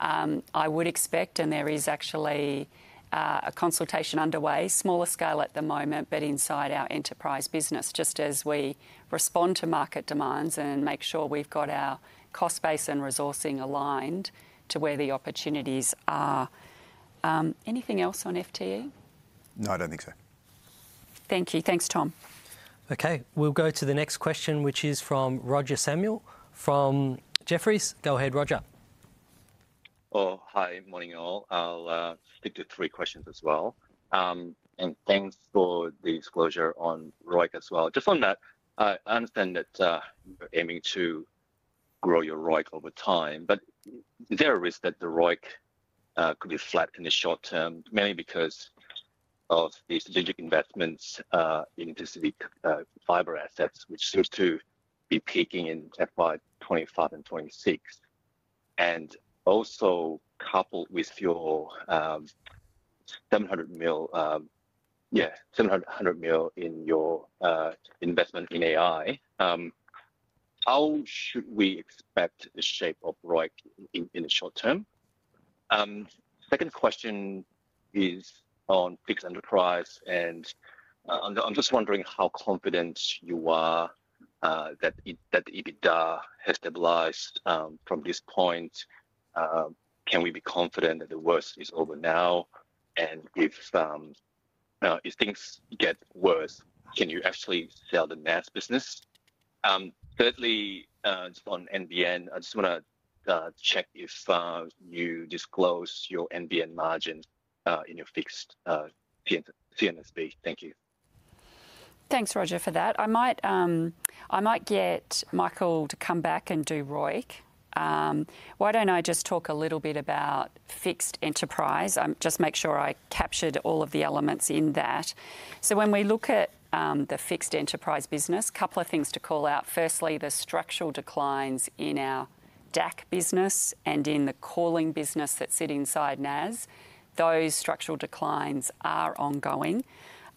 I would expect, and there is actually a consultation underway, smaller scale at the moment, but inside our enterprise business, just as we respond to market demands and make sure we've got our cost base and resourcing aligned to where the opportunities are. Anything else on FTE? No, I don't think so. Thank you. Thanks, Tom. Okay, we'll go to the next question, which is from Roger Samuel from Jefferies. Go ahead, Roger. Oh, hi, morning y'all. I'll stick to three questions as well. And thanks for the disclosure on ROIC as well. Just on that, I understand that you're aiming to grow your ROIC over time, but is there a risk that the ROIC could be flat in the short term, mainly because of the strategic investments in distributed fibre assets, which seems to be peaking in FY25 and FY26? And also coupled with your 700 million, yeah, 700 million in your investment in AI, how should we expect the shape of ROIC in the short term? Second question is on fixed enterprise. And I'm just wondering how confident you are that EBITDA has stabilised from this point. Can we be confident that the worst is over now? And if things get worse, can you actually sell the NAS business? Thirdly, just on NBN, I just want to check if you disclose your NBN margin in your fixed CNSB. Thank you. Thanks, Roger, for that. I might get Michael to come back and do ROIC. Why don't I just talk a little bit about fixed enterprise? I'm just making sure I captured all of the elements in that. So when we look at the fixed enterprise business, a couple of things to call out. Firstly, the structural declines in our DAC business and in the calling business that sit inside NAS. Those structural declines are ongoing.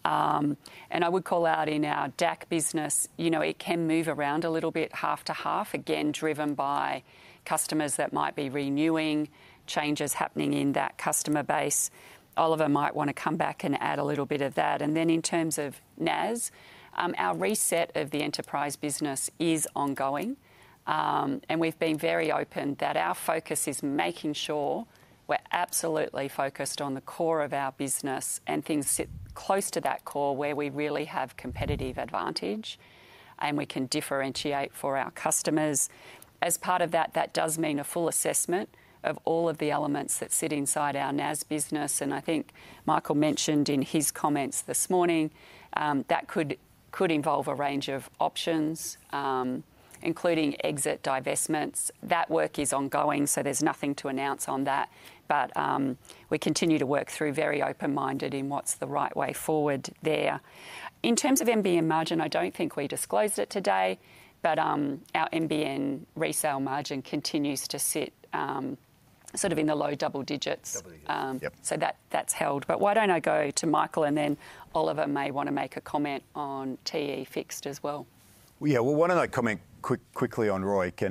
And I would call out in our DAC business, you know, it can move around a little bit, half to half, again, driven by customers that might be renewing, changes happening in that customer base. Oliver might want to come back and add a little bit of that. And then in terms of NAS, our reset of the enterprise business is ongoing. And we've been very open that our focus is making sure we're absolutely focused on the core of our business and things sit close to that core where we really have competitive advantage and we can differentiate for our customers. As part of that, that does mean a full assessment of all of the elements that sit inside our NAS business. And I think Michael mentioned in his comments this morning that could involve a range of options, including exit divestments. That work is ongoing, so there's nothing to announce on that. But we continue to work through very open-minded in what's the right way forward there. In terms of NBN margin, I don't think we disclosed it today, but our NBN resale margin continues to sit sort of in the low double digits. So that's held. But why don't I go to Michael, and then Oliver may want to make a comment on TE fixed as well. Yeah, well, why don't I comment quickly on ROIC?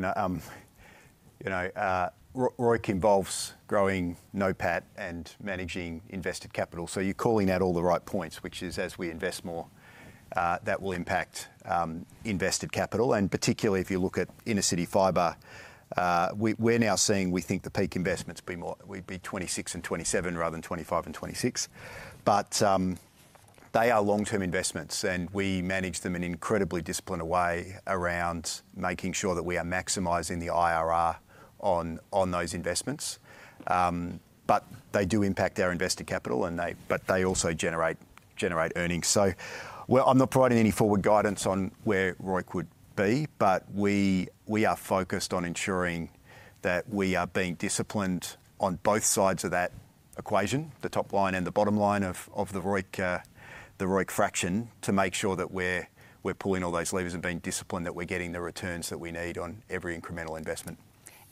You know, ROIC involves growing NOPAT and managing invested capital. You're calling out all the right points, which is as we invest more, that will impact invested capital. Particularly if you look at intercity fiber, we're now seeing, we think the peak investments will be 2026 and 2027 rather than 2025 and 2026. They are long-term investments, and we manage them in an incredibly disciplined way around making sure that we are maximizing the IRR on those investments. They do impact our invested capital, but they also generate earnings. So I'm not providing any forward guidance on where ROIC would be, but we are focused on ensuring that we are being disciplined on both sides of that equation, the top line and the bottom line of the ROIC fraction, to make sure that we're pulling all those levers and being disciplined that we're getting the returns that we need on every incremental investment.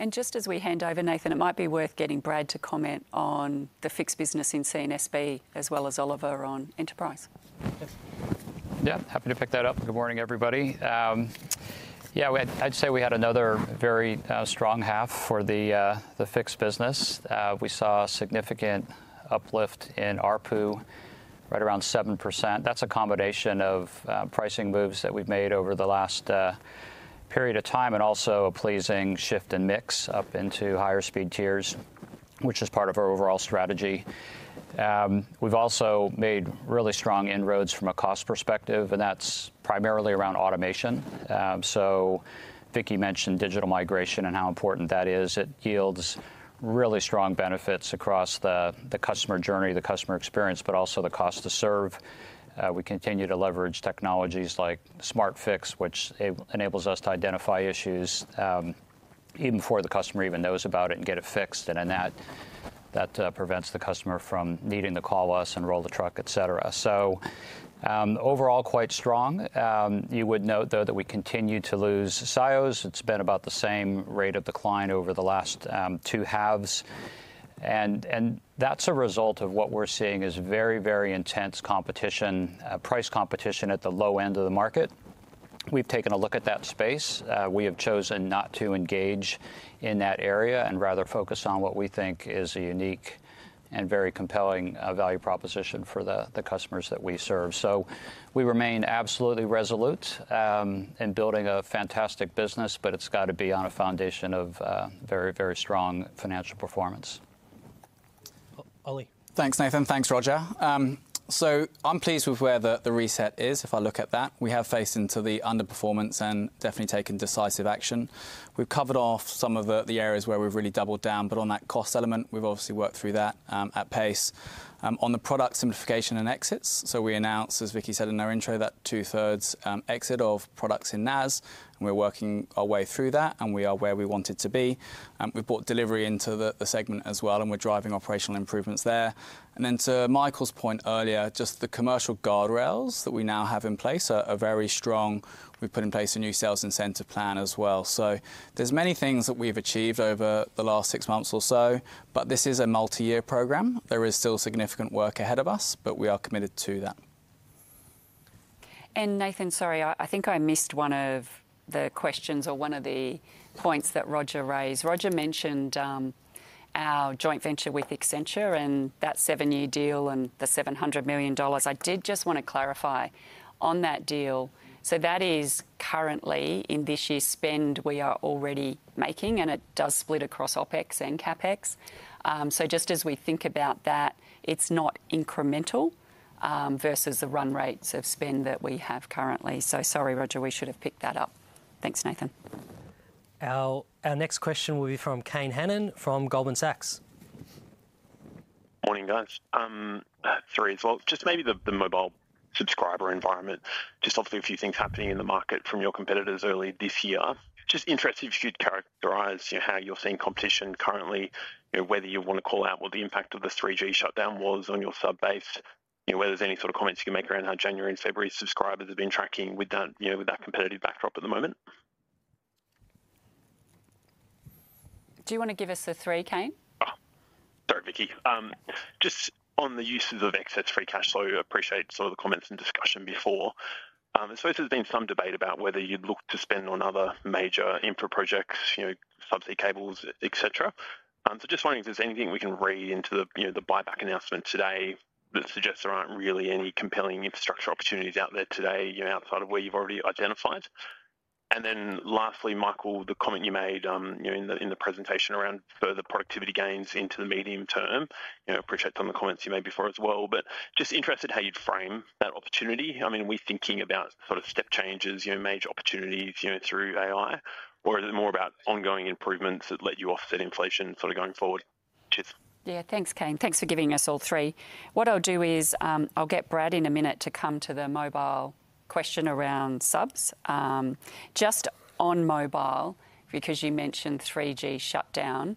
And just as we hand over, Nathan, it might be worth getting Brad to comment on the fixed business in C&SB as well as Oliver on enterprise. Yep, happy to pick that up. Good morning, everybody. Yeah, I'd say we had another very strong half for the fixed business. We saw a significant uplift in ARPU, right around 7%. That's a combination of pricing moves that we've made over the last period of time and also a pleasing shift in mix up into higher speed tiers, which is part of our overall strategy. We've also made really strong inroads from a cost perspective, and that's primarily around automation. So Vicki mentioned digital migration and how important that is. It yields really strong benefits across the customer journey, the customer experience, but also the cost to serve. We continue to leverage technologies like SmartFix, which enables us to identify issues even before the customer even knows about it and get it fixed. And that prevents the customer from needing to call us and roll the truck, etc. So overall, quite strong. You would note, though, that we continue to lose SIOs. It's been about the same rate of decline over the last two halves. And that's a result of what we're seeing is very, very intense competition, price competition at the low end of the market. We've taken a look at that space. We have chosen not to engage in that area and rather focus on what we think is a unique and very compelling value proposition for the customers that we serve. So we remain absolutely resolute in building a fantastic business, but it's got to be on a foundation of very, very strong financial performance. Thanks, Nathan. Thanks, Roger. So I'm pleased with where the reset is. If I look at that, we have faced into the underperformance and definitely taken decisive action. We've covered off some of the areas where we've really doubled down, but on that cost element, we've obviously worked through that at pace. On the product simplification and exits, so we announced, as Vicki said in our intro, that two-thirds exit of products in NAS, and we're working our way through that, and we are where we wanted to be. We've brought delivery into the segment as well, and we're driving operational improvements there. And then to Michael's point earlier, just the commercial guardrails that we now have in place are very strong. We've put in place a new sales incentive plan as well. So there's many things that we've achieved over the last six months or so, but this is a multi-year program. There is still significant work ahead of us, but we are committed to that. And Nathan, sorry, I think I missed one of the questions or one of the points that Roger raised. Roger mentioned our joint venture with Accenture and that seven-year deal and the 700 million dollars. I did just want to clarify on that deal. So that is currently in this year's spend we are already making, and it does split across OpEx and CapEx. So just as we think about that, it's not incremental versus the run rates of spend that we have currently. So sorry, Roger, we should have picked that up. Thanks, Nathan. Our next question will be from Kane Hannan from Goldman Sachs. Morning, guys. Three as well. Just maybe the mobile subscriber environment. Just obviously a few things happening in the market from your competitors early this year. Just interested if you could characterise how you're seeing competition currently, whether you want to call out what the impact of the 3G shutdown was on your subbase, whether there's any sort of comments you can make around how January and February subscribers have been tracking with that competitive backdrop at the moment. Do you want to give us a three, Kane? Sorry, Vicki. Just on the use of excess free cash flow, I appreciate some of the comments and discussion before. I suppose there's been some debate about whether you'd look to spend on other major infra projects, subsea cables, etc. So just wondering if there's anything we can read into the buyback announcement today that suggests there aren't really any compelling infrastructure opportunities out there today outside of where you've already identified. And then lastly, Michael, the comment you made in the presentation around further productivity gains into the medium term. Appreciate some of the comments you made before as well. But just interested how you'd frame that opportunity. I mean, are we thinking about sort of step changes, major opportunities through AI, or is it more about ongoing improvements that let you offset inflation sort of going forward? Yeah, thanks, Kane. Thanks for giving us all three. What I'll do is I'll get Brad in a minute to come to the mobile question around subs. Just on mobile, because you mentioned 3G shutdown,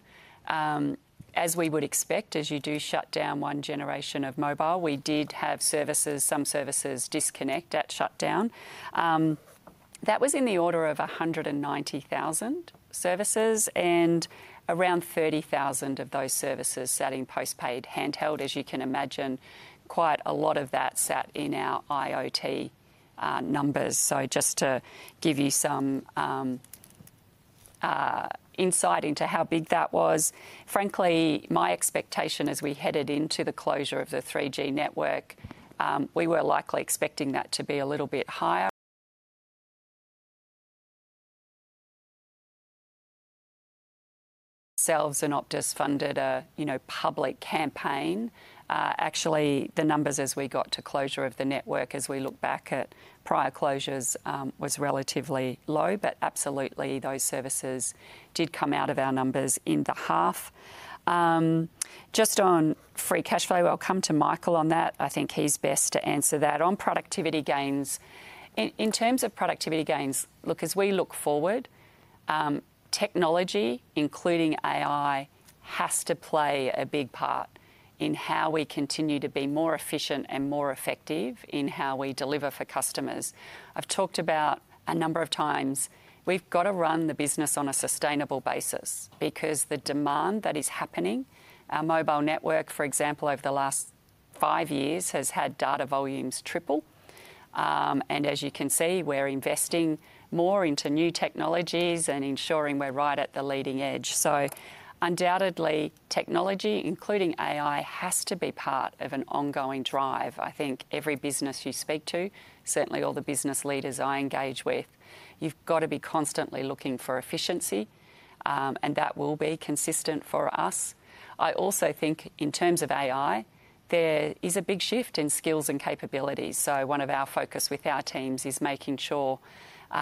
as we would expect, as you do shut down one generation of mobile, we did have services, some services disconnect at shutdown. That was in the order of 190,000 services, and around 30,000 of those services sat in postpaid handheld. As you can imagine, quite a lot of that sat in our IoT numbers. So just to give you some insight into how big that was, frankly, my expectation as we headed into the closure of the 3G network, we were likely expecting that to be a little bit higher. Telstra and Optus funded a public campaign. Actually, the numbers as we got to closure of the network, as we look back at prior closures, was relatively low, but absolutely those services did come out of our numbers in the half. Just on free cash flow, I'll come to Michael on that. I think he's best to answer that. On productivity gains, in terms of productivity gains, look, as we look forward, technology, including AI, has to play a big part in how we continue to be more efficient and more effective in how we deliver for customers. I've talked about a number of times, we've got to run the business on a sustainable basis because the demand that is happening, our mobile network, for example, over the last five years has had data volumes triple. And as you can see, we're investing more into new technologies and ensuring we're right at the leading edge. So undoubtedly, technology, including AI, has to be part of an ongoing drive. I think every business you speak to, certainly all the business leaders I engage with, you've got to be constantly looking for efficiency, and that will be consistent for us. I also think in terms of AI, there is a big shift in skills and capabilities. So one of our focuses with our teams is making sure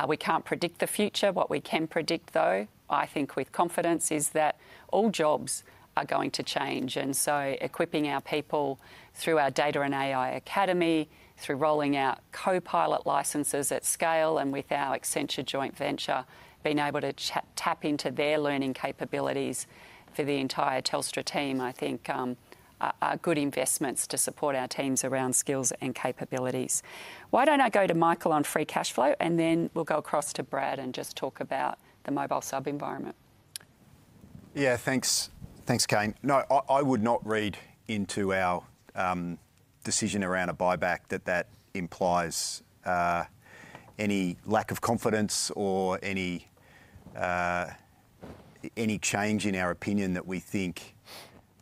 we can't predict the future. What we can predict, though, I think with confidence, is that all jobs are going to change. And so equipping our people through our Data and AI Academy, through rolling out Copilot licenses at scale, and with our Accenture joint venture, being able to tap into their learning capabilities for the entire Telstra team, I think, are good investments to support our teams around skills and capabilities. Why don't I go to Michael on free cash flow, and then we'll go across to Brad and just talk about the mobile sub environment. Yeah, thanks. Thanks, Kane. No, I would not read into our decision around a buyback that that implies any lack of confidence or any change in our opinion that we think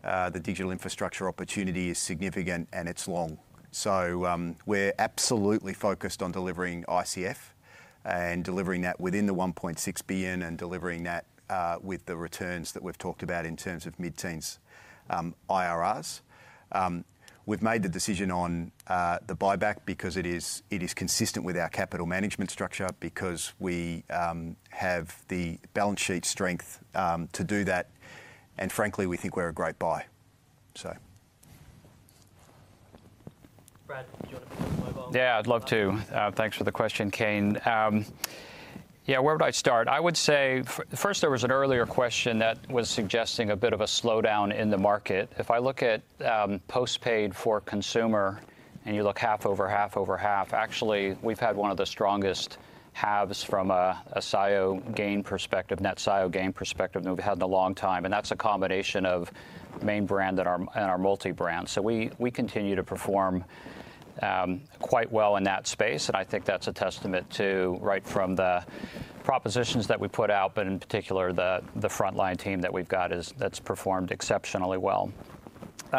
the digital infrastructure opportunity is significant and it's long. So we're absolutely focused on delivering ICF and delivering that within the 1.6 billion and delivering that with the returns that we've talked about in terms of mid-teens IRRs. We've made the decision on the buyback because it is consistent with our capital management structure, because we have the balance sheet strength to do that. And frankly, we think we're a great buy. So. Brad, do you want to pick up the mobile? Yeah, I'd love to. Thanks for the question, Kane. Yeah, where would I start? I would say, first, there was an earlier question that was suggesting a bit of a slowdown in the market. If I look at postpaid for consumer and you look half over half over half, actually, we've had one of the strongest halves from a SIO gain perspective, net SIO gain perspective that we've had in a long time. And that's a combination of main brand and our multi-brand. So we continue to perform quite well in that space. And I think that's a testament to right from the propositions that we put out, but in particular, the front-line team that we've got that's performed exceptionally well.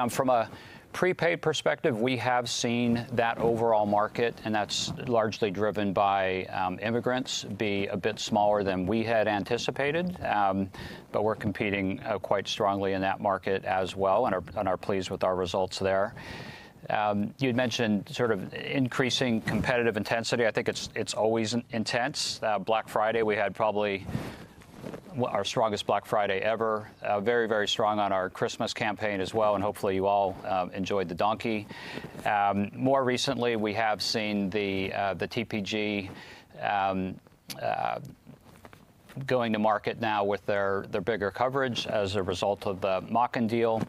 From a prepaid perspective, we have seen that overall market, and that's largely driven by immigrants, be a bit smaller than we had anticipated. But we're competing quite strongly in that market as well and are pleased with our results there. You'd mentioned sort of increasing competitive intensity. I think it's always intense. Black Friday, we had probably our strongest Black Friday ever. Very, very strong on our Christmas campaign as well. And hopefully, you all enjoyed the donkey. More recently, we have seen the TPG going to market now with their bigger coverage as a result of the MOCN deal.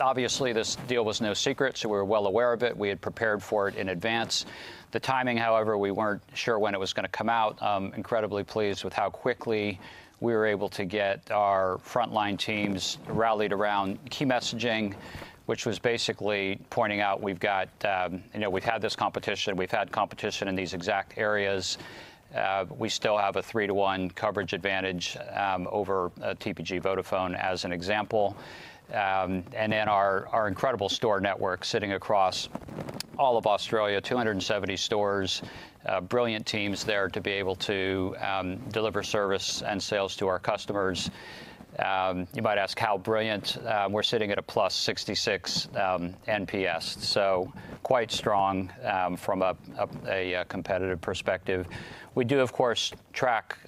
Obviously, this deal was no secret, so we were well aware of it. We had prepared for it in advance. The timing, however, we weren't sure when it was going to come out. Incredibly pleased with how quickly we were able to get our frontline teams rallied around key messaging, which was basically pointing out we've had this competition, we've had competition in these exact areas. We still have a three-to-one coverage advantage over TPG Vodafone as an example. And then our incredible store network sitting across all of Australia, 270 stores, brilliant teams there to be able to deliver service and sales to our customers. You might ask how brilliant. We're sitting at a +66 NPS. So quite strong from a competitive perspective. We do, of course, track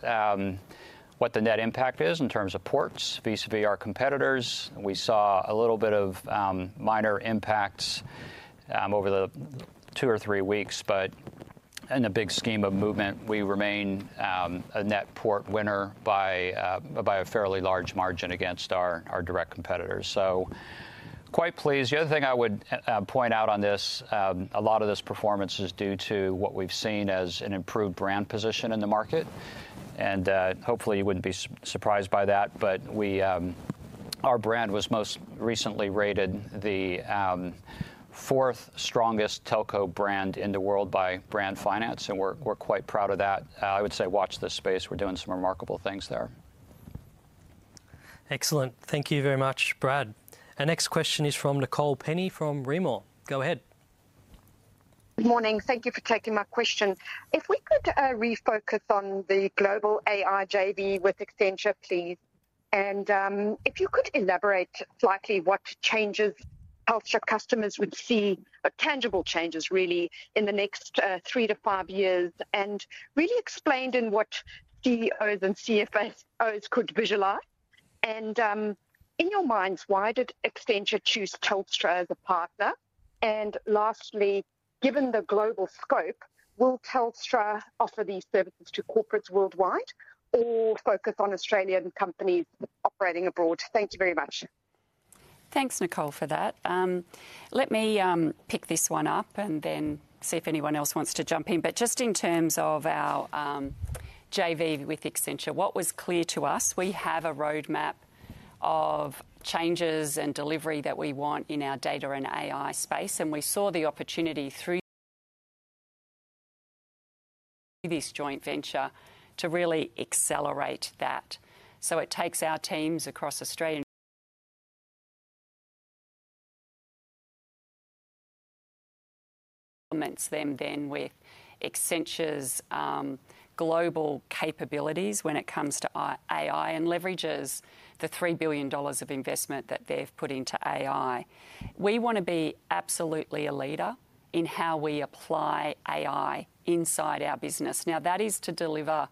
what the net impact is in terms of ports vis-à-vis our competitors. We saw a little bit of minor impacts over the two or three weeks, but in a big scheme of movement, we remain a net port winner by a fairly large margin against our direct competitors. So quite pleased. The other thing I would point out on this, a lot of this performance is due to what we've seen as an improved brand position in the market. And hopefully, you wouldn't be surprised by that. But our brand was most recently rated the fourth strongest Telco brand in the world by Brand Finance. And we're quite proud of that. I would say watch this space. We're doing some remarkable things there. Excellent. Thank you very much, Brad. Our next question is from Nicole Penny from Rimor. Go ahead. Good morning. Thank you for taking my question. If we could refocus on the global AI JV with Accenture, please. And if you could elaborate slightly what changes Telstra customers would see, tangible changes really, in the next three to five years, and really explain what CEOs and CFOs could visualize. And in your minds, why did Accenture choose Telstra as a partner? And lastly, given the global scope, will Telstra offer these services to corporates worldwide or focus on Australian companies operating abroad? Thank you very much. Thanks, Nicole, for that. Let me pick this one up and then see if anyone else wants to jump in. But just in terms of our JV with Accenture, what was clear to us. We have a roadmap of changes and delivery that we want in our data and AI space. And we saw the opportunity through this joint venture to really accelerate that. So it takes our teams across Australia, then with Accenture's global capabilities when it comes to AI and leverages the $3 billion of investment that they've put into AI. We want to be absolutely a leader in how we apply AI inside our business. Now, that is to deliver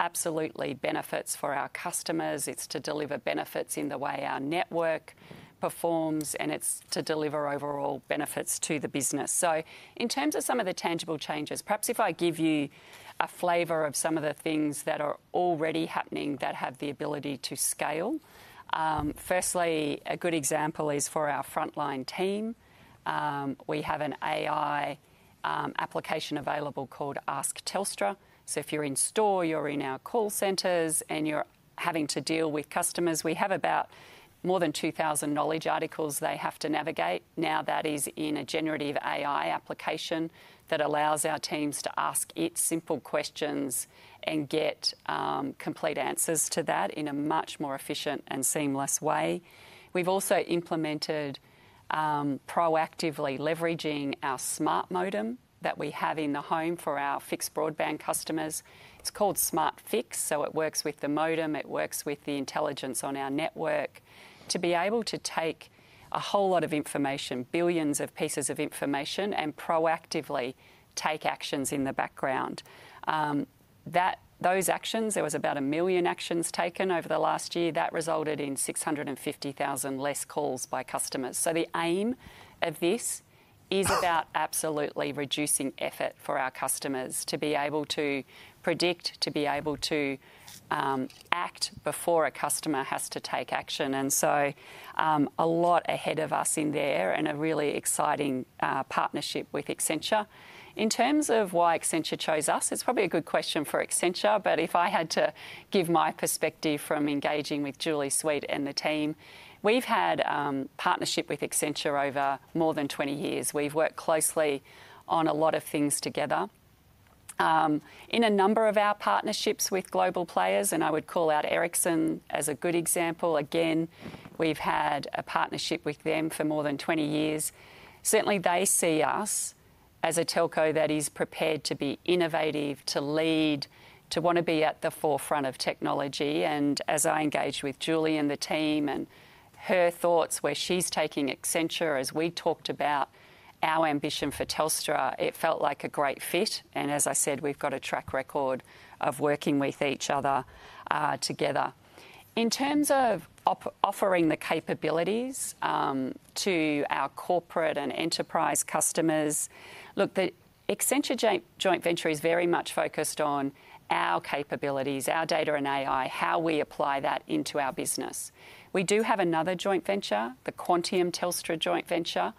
absolutely benefits for our customers. It's to deliver benefits in the way our network performs, and it's to deliver overall benefits to the business. So in terms of some of the tangible changes, perhaps if I give you a flavor of some of the things that are already happening that have the ability to scale. Firstly, a good example is for our frontline team. We have an AI application available called Ask Telstra. So if you're in store, you're in our call centers and you're having to deal with customers, we have about more than 2,000 knowledge articles they have to navigate. Now that is in a generative AI application that allows our teams to ask it simple questions and get complete answers to that in a much more efficient and seamless way. We've also implemented proactively leveraging our Smart Modem that we have in the home for our fixed broadband customers. It's called SmartFix. So it works with the modem. It works with the intelligence on our network to be able to take a whole lot of information, billions of pieces of information, and proactively take actions in the background. Those actions, there was about a million actions taken over the last year. That resulted in 650,000 less calls by customers. So the aim of this is about absolutely reducing effort for our customers to be able to predict, to be able to act before a customer has to take action. And so a lot ahead of us in there and a really exciting partnership with Accenture. In terms of why Accenture chose us, it's probably a good question for Accenture, but if I had to give my perspective from engaging with Julie Sweet and the team, we've had partnership with Accenture over more than 20 years. We've worked closely on a lot of things together in a number of our partnerships with global players, and I would call out Ericsson as a good example. Again, we've had a partnership with them for more than 20 years. Certainly, they see us as a telco that is prepared to be innovative, to lead, to want to be at the forefront of technology, and as I engaged with Julie and the team and her thoughts where she's taking Accenture, as we talked about our ambition for Telstra, it felt like a great fit, and as I said, we've got a track record of working with each other together. In terms of offering the capabilities to our corporate and enterprise customers, look, the Accenture joint venture is very much focused on our capabilities, our data and AI, how we apply that into our business. We do have another joint venture, the Quantium Telstra joint venture,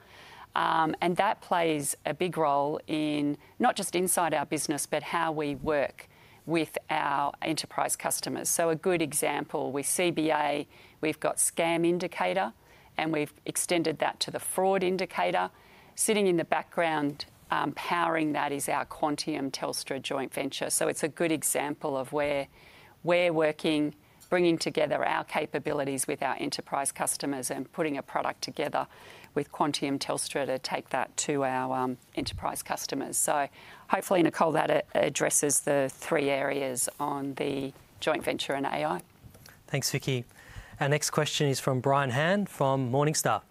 and that plays a big role in not just inside our business, but how we work with our enterprise customers. So a good example, with CBA, we've got Scam Indicator, and we've extended that to the Fraud Indicator. Sitting in the background powering that is our Quantium Telstra joint venture. So it's a good example of where we're working, bringing together our capabilities with our enterprise customers and putting a product together with Quantium Telstra to take that to our enterprise customers. So hopefully, Nicole, that addresses the three areas on the joint venture and AI. Thanks, Vicki. Our next question is from Brian Han from Morningstar.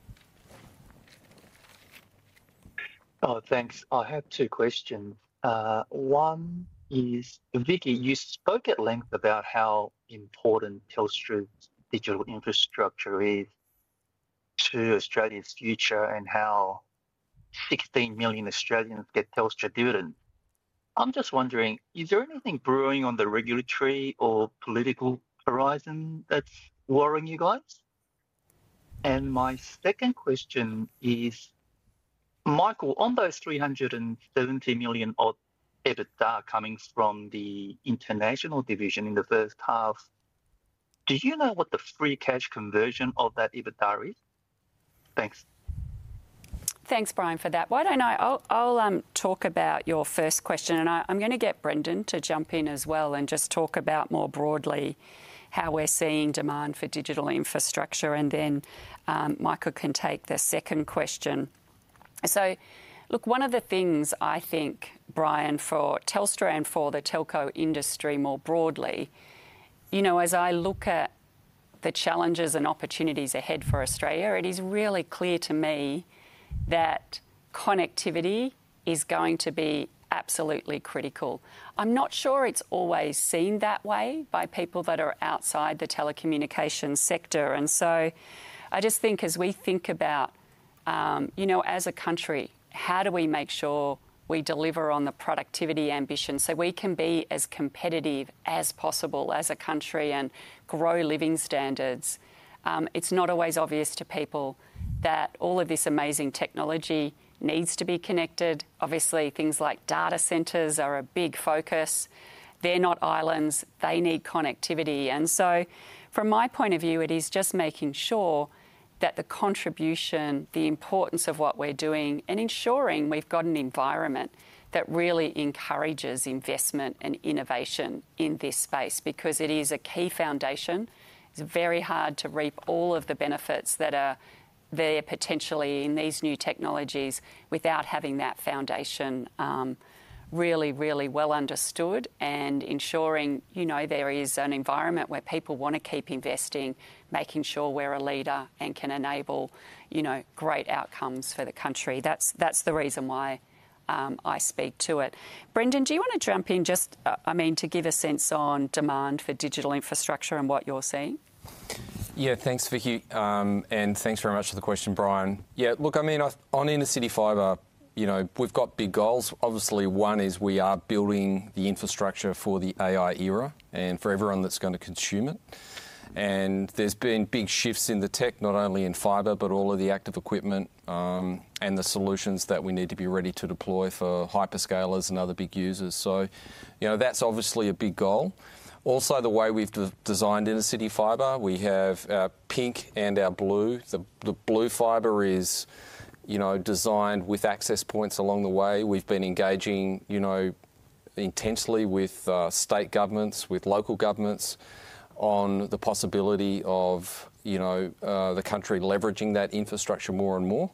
Oh, thanks. I have two questions. One is, Vicki, you spoke at length about how important Telstra's digital infrastructure is to Australia's future and how 16 million Australians get Telstra dividends. I'm just wondering, is there anything brewing on the regulatory or political horizon that's worrying you guys? And my second question is, Michael, on those 370 million-odd EBITDA coming from the international division in the first half, do you know what the free cash conversion of that EBITDA is? Thanks. Thanks, Brian, for that. Why don't I talk about your first question, and I'm going to get Brendon to jump in as well and just talk about more broadly how we're seeing demand for digital infrastructure. And then Michael can take the second question. So look, one of the things I think, Brian, for Telstra and for the telco industry more broadly, you know, as I look at the challenges and opportunities ahead for Australia, it is really clear to me that connectivity is going to be absolutely critical. I'm not sure it's always seen that way by people that are outside the telecommunications sector, and so I just think as we think about, you know, as a country, how do we make sure we deliver on the productivity ambition so we can be as competitive as possible as a country and grow living standards? It's not always obvious to people that all of this amazing technology needs to be connected. Obviously, things like data centers are a big focus. They're not islands. They need connectivity, and so from my point of view, it is just making sure that the contribution, the importance of what we're doing, and ensuring we've got an environment that really encourages investment and innovation in this space, because it is a key foundation. It's very hard to reap all of the benefits that are there potentially in these new technologies without having that foundation really, really well understood and ensuring there is an environment where people want to keep investing, making sure we're a leader and can enable great outcomes for the country. That's the reason why I speak to it. Brendon, do you want to jump in just, I mean, to give a sense on demand for digital infrastructure and what you're seeing? Yeah, thanks, Vicki, and thanks very much for the question, Brian. Yeah, look, I mean, on Intercity Fibre, you know, we've got big goals. Obviously, one is we are building the infrastructure for the AI era and for everyone that's going to consume it. And there's been big shifts in the tech, not only in fiber, but all of the active equipment and the solutions that we need to be ready to deploy for hyperscalers and other big users. So, you know, that's obviously a big goal. Also, the way we've designed Intercity Fiber, we have our pink and our blue. The blue fiber is designed with access points along the way. We've been engaging intensely with state governments, with local governments on the possibility of the country leveraging that infrastructure more and more.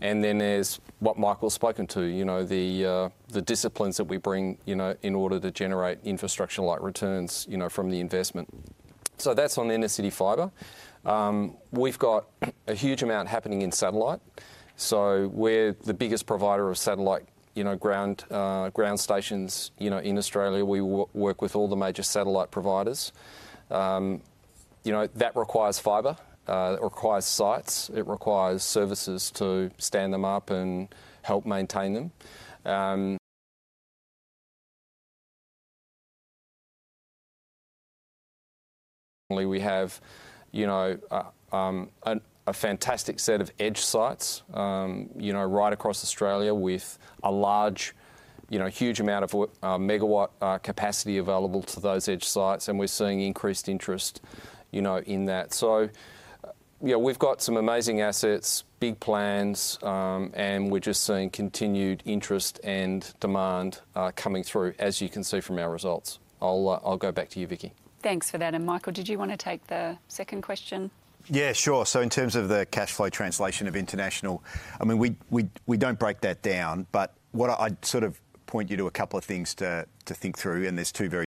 And then there's what Michael's spoken to, you know, the disciplines that we bring in order to generate infrastructure-like returns from the investment. So that's on Intercity Fiber. We've got a huge amount happening in satellite. So we're the biggest provider of satellite ground stations in Australia. We work with all the major satellite providers. That requires fiber. It requires sites. It requires services to stand them up and help maintain them. We have a fantastic set of edge sites right across Australia with a huge amount of megawatt capacity available to those edge sites. And we're seeing increased interest in that. So, yeah, we've got some amazing assets, big plans, and we're just seeing continued interest and demand coming through, as you can see from our results. I'll go back to you, Vicki. Thanks for that. And Michael, did you want to take the second question? Yeah, sure. So in terms of the cash flow translation of international, I mean, we don't break that down, but I'd sort of point you to a couple of things to think through. And there's two very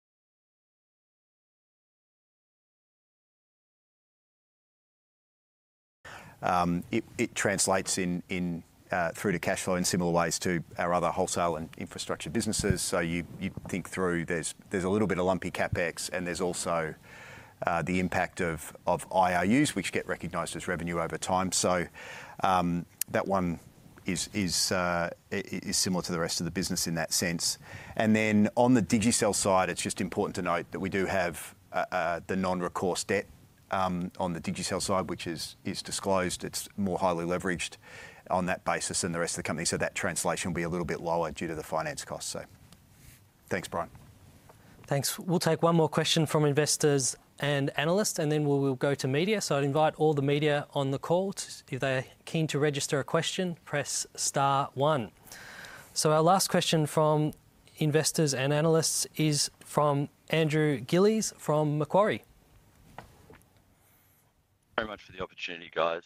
it translates through to cash flow in similar ways to our other wholesale and infrastructure businesses. So you think through, there's a little bit of lumpy CapEx, and there's also the impact of IRUs, which get recognized as revenue over time. So that one is similar to the rest of the business in that sense. And then on the Digicel side, it's just important to note that we do have the non-recourse debt on the Digicel side, which is disclosed. It's more highly leveraged on that basis than the rest of the company. So that translation will be a little bit lower due to the finance costs. So thanks, Brian. Thanks. We'll take one more question from investors and analysts, and then we will go to media. So I'd invite all the media on the call. If they're keen to register a question, press star one. So our last question from investors and analysts is from Andrew Gillies from Macquarie. Thank you very much for the opportunity, guys.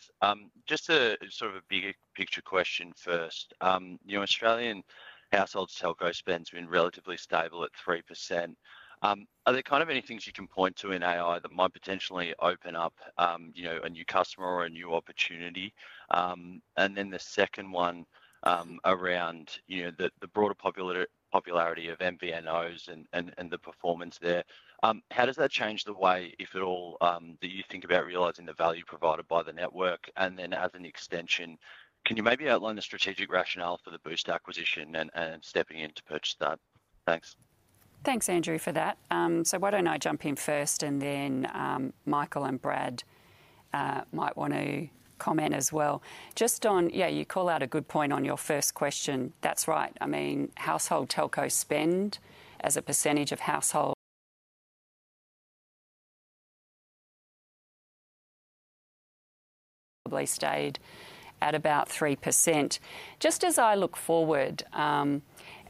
Just a sort of a bigger picture question first. Australian households' telco spend has been relatively stable at 3%. Are there kind of any things you can point to in AI that might potentially open up a new customer or a new opportunity? And then the second one around the broader popularity of MVNOs and the performance there. How does that change the way, if at all, that you think about realizing the value provided by the network? And then as an extension, can you maybe outline the strategic rationale for the Boost acquisition and stepping in to purchase that? Thanks. Thanks, Andrew, for that, so why don't I jump in first, and then Michael and Brad might want to comment as well. Just on, yeah, you call out a good point on your first question. That's right. I mean, household telco spend as a percentage of household probably stayed at about 3%. Just as I look forward,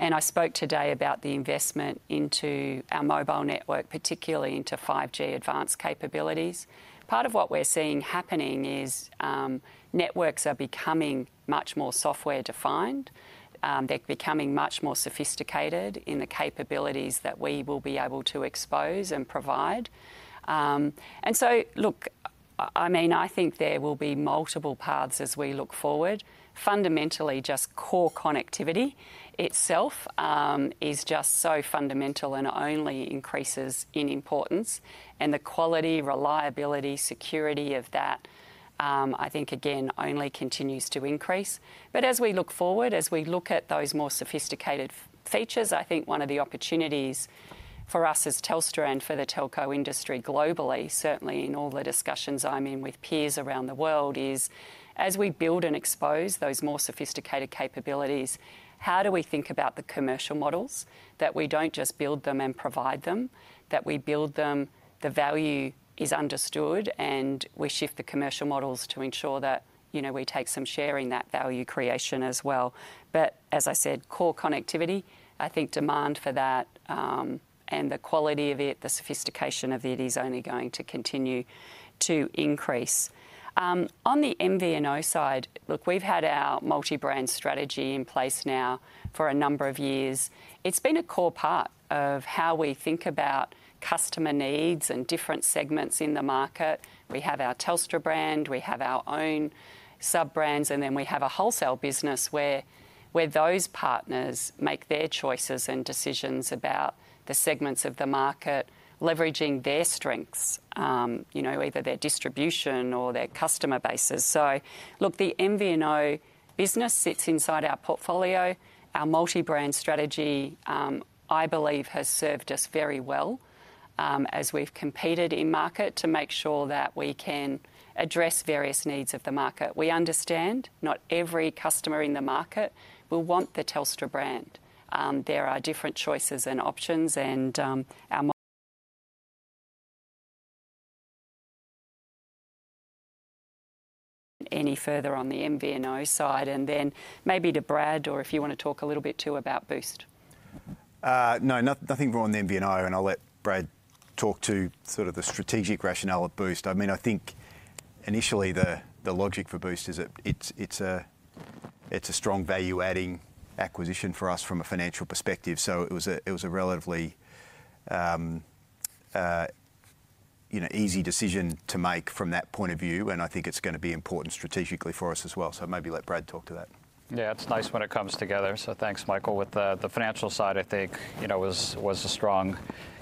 and I spoke today about the investment into our mobile network, particularly into 5G Advanced capabilities, part of what we're seeing happening is networks are becoming much more software-defined. They're becoming much more sophisticated in the capabilities that we will be able to expose and provide. And so, look, I mean, I think there will be multiple paths as we look forward. Fundamentally, just core connectivity itself is just so fundamental and only increases in importance. And the quality, reliability, security of that, I think, again, only continues to increase. But as we look forward, as we look at those more sophisticated features, I think one of the opportunities for us as Telstra and for the telco industry globally, certainly in all the discussions I'm in with peers around the world, is as we build and expose those more sophisticated capabilities, how do we think about the commercial models that we don't just build them and provide them, that we build them, the value is understood, and we shift the commercial models to ensure that we take some share in that value creation as well. But as I said, core connectivity, I think demand for that and the quality of it, the sophistication of it is only going to continue to increase. On the MVNO side, look, we've had our multi-brand strategy in place now for a number of years. It's been a core part of how we think about customer needs and different segments in the market. We have our Telstra brand, we have our own sub-brands, and then we have a wholesale business where those partners make their choices and decisions about the segments of the market, leveraging their strengths, either their distribution or their customer bases. So, look, the MVNO business sits inside our portfolio. Our multi-brand strategy, I believe, has served us very well as we've competed in market to make sure that we can address various needs of the market. We understand not every customer in the market will want the Telstra brand. There are different choices and options, and our any further on the MVNO side, and then maybe to Brad or if you want to talk a little bit too about Boost. No, nothing more on the MVNO, and I'll let Brad talk to sort of the strategic rationale at Boost. I mean, I think initially the logic for Boost is it's a strong value-adding acquisition for us from a financial perspective. So it was a relatively easy decision to make from that point of view, and I think it's going to be important strategically for us as well. So maybe let Brad talk to that. Yeah, it's nice when it comes together. So thanks, Michael. With the financial side, I think it was a strong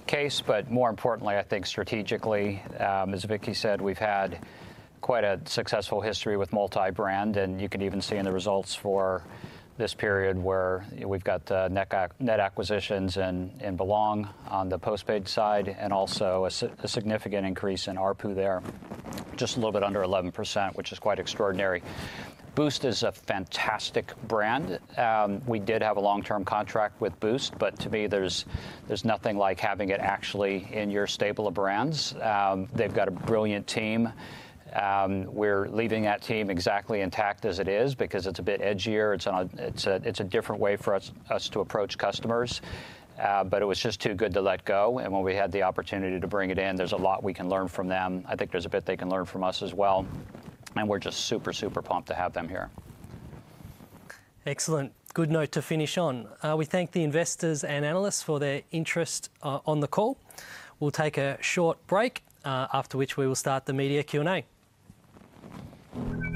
case, but more importantly, I think strategically, as Vicki said, we've had quite a successful history with multi-brand, and you can even see in the results for this period where we've got net acquisitions and Belong on the postpaid side and also a significant increase in ARPU there, just a little bit under 11%, which is quite extraordinary. Boost is a fantastic brand. We did have a long-term contract with Boost, but to me, there's nothing like having it actually in your stable of brands. They've got a brilliant team. We're leaving that team exactly intact as it is because it's a bit edgier. It's a different way for us to approach customers, but it was just too good to let go. And when we had the opportunity to bring it in, there's a lot we can learn from them. I think there's a bit they can learn from us as well. And we're just super, super pumped to have them here. Excellent. Good note to finish on. We thank the investors and analysts for their interest on the call. We'll take a short break, after which we will start the media Q&A. Lovely thing about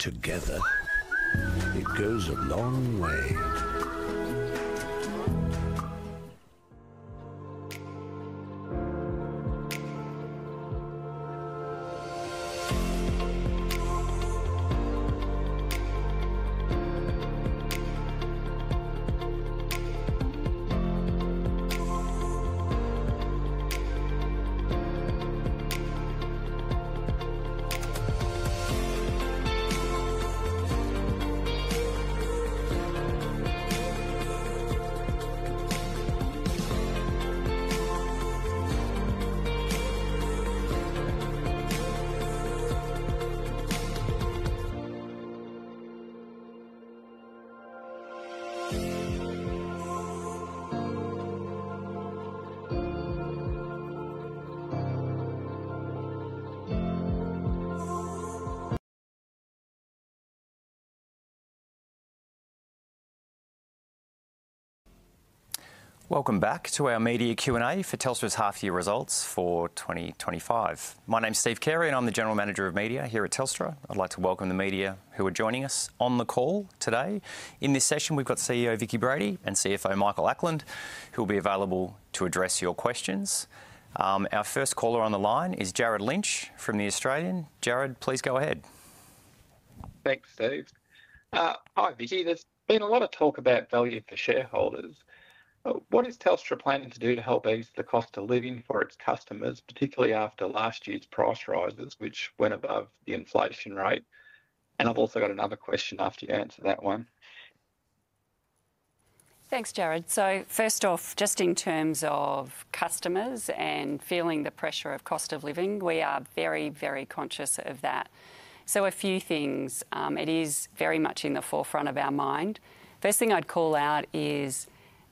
together. It goes a long way. Welcome back to our media Q&A for Telstra's half-year results for 2025. My name's Steve Carey, and I'm the General Manager of Media here at Telstra. I'd like to welcome the media who are joining us on the call today. In this session, we've got CEO Vicki Brady and CFO Michael Ackland, who will be available to address your questions. Our first caller on the line is Jared Lynch from The Australian. Jared, please go ahead. Thanks, Steve. Hi, Vicki. There's been a lot of talk about value for shareholders. What is Telstra planning to do to help ease the cost of living for its customers, particularly after last year's price rises, which went above the inflation rate? And I've also got another question after you answer that one. Thanks, Jared. So first off, just in terms of customers and feeling the pressure of cost of living, we are very, very conscious of that. So a few things. It is very much in the forefront of our mind. First thing I'd call out is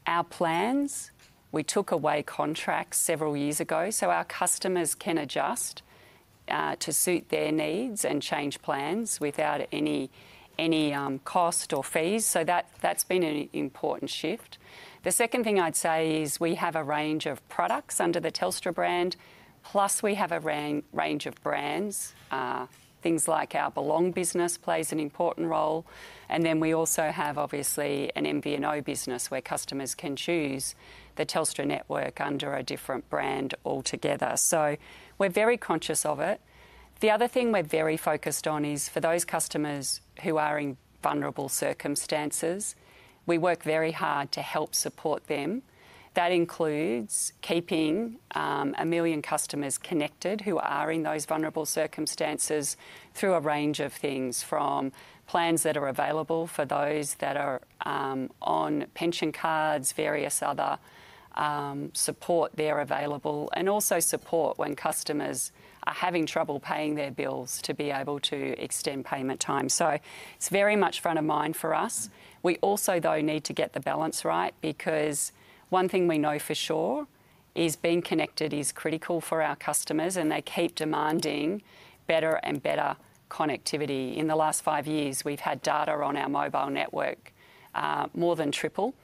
our plans. We took away contracts several years ago so our customers can adjust to suit their needs and change plans without any cost or fees. So that's been an important shift. The second thing I'd say is we have a range of products under the Telstra brand, plus we have a range of brands. Things like our Belong business plays an important role, and then we also have, obviously, an MVNO business where customers can choose the Telstra network under a different brand altogether, so we're very conscious of it. The other thing we're very focused on is, for those customers who are in vulnerable circumstances, we work very hard to help support them. That includes keeping a million customers connected who are in those vulnerable circumstances through a range of things, from plans that are available for those that are on pension cards, various other support they're available, and also support when customers are having trouble paying their bills to be able to extend payment time, so it's very much front of mind for us. We also, though, need to get the balance right because one thing we know for sure is being connected is critical for our customers, and they keep demanding better and better connectivity. In the last five years, we've had data on our mobile network more than triple.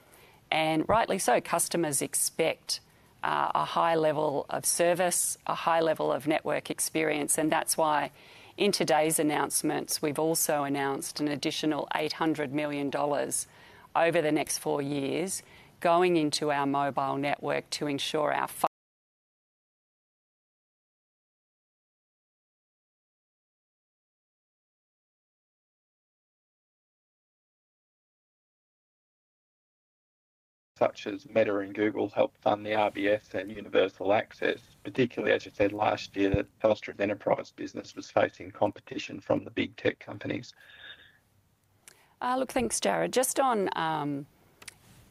And rightly so, customers expect a high level of service, a high level of network experience. And that's why in today's announcements, we've also announced an additional 800 million dollars over the next four years going into our mobile network to ensure our such as Meta and Google help fund the RBS and Universal Access. Particularly, as you said, last year, Telstra's enterprise business was facing competition from the big tech companies. Look, thanks, Jared. Just on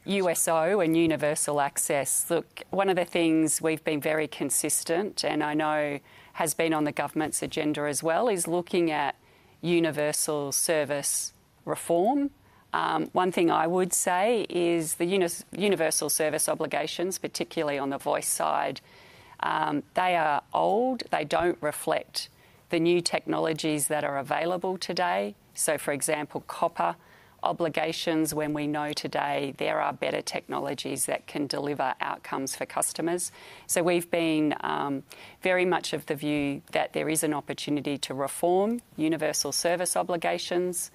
USO and universal access, look, one of the things we've been very consistent and I know has been on the government's agenda as well is looking at universal service reform. One thing I would say is the universal service obligations, particularly on the voice side, they are old. They don't reflect the new technologies that are available today. So, for example, copper obligations, when we know today there are better technologies that can deliver outcomes for customers. So we've been very much of the view that there is an opportunity to reform universal service obligations.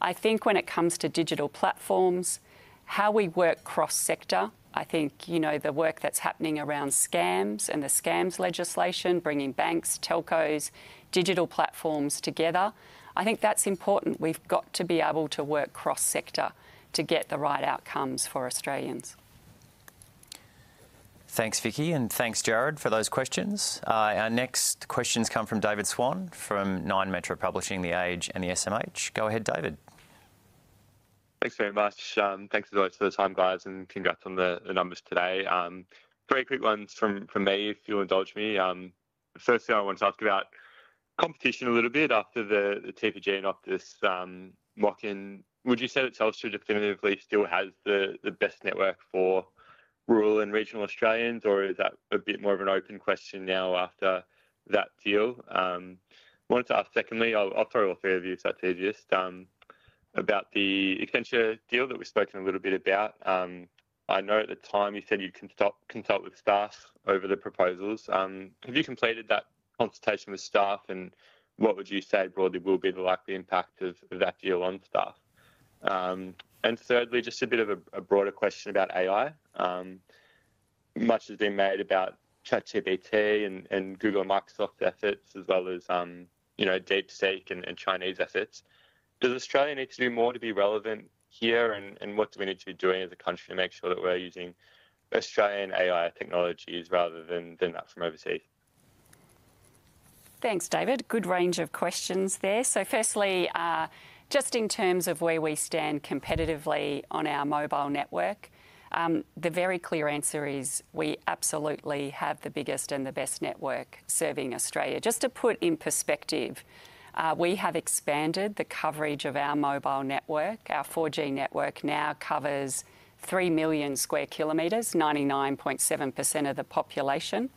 I think when it comes to digital platforms, how we work cross-sector, I think the work that's happening around scams and the scams legislation, bringing banks, telcos, digital platforms together, I think that's important. We've got to be able to work cross-sector to get the right outcomes for Australians. Thanks, Vicki, and thanks, Jared, for those questions. Our next questions come from David Swan from Nine Publishing, The Age, and the SMH. Go ahead, David. Thanks very much. Thanks for the time, guys, and congrats on the numbers today. Very quick ones from me, if you'll indulge me. The first thing I want to ask about competition a little bit after the TPG and after this MOCN, would you say that Telstra definitively still has the best network for rural and regional Australians, or is that a bit more of an open question now after that deal? I wanted to ask secondly, I'll throw it all through you if that's easiest, about the Accenture deal that we've spoken a little bit about. I know at the time you said you can consult with staff over the proposals. Have you completed that consultation with staff, and what would you say broadly will be the likely impact of that deal on staff? And thirdly, just a bit of a broader question about AI. Much has been made about ChatGPT and Google and Microsoft's efforts, as well as DeepSeek and Chinese efforts. Does Australia need to do more to be relevant here, and what do we need to be doing as a country to make sure that we're using Australian AI technologies rather than that from overseas? Thanks, David. Good range of questions there. So firstly, just in terms of where we stand competitively on our mobile network, the very clear answer is we absolutely have the biggest and the best network serving Australia. Just to put in perspective, we have expanded the coverage of our mobile network. Our 4G network now covers 3 million sq km, 99.7% of the population.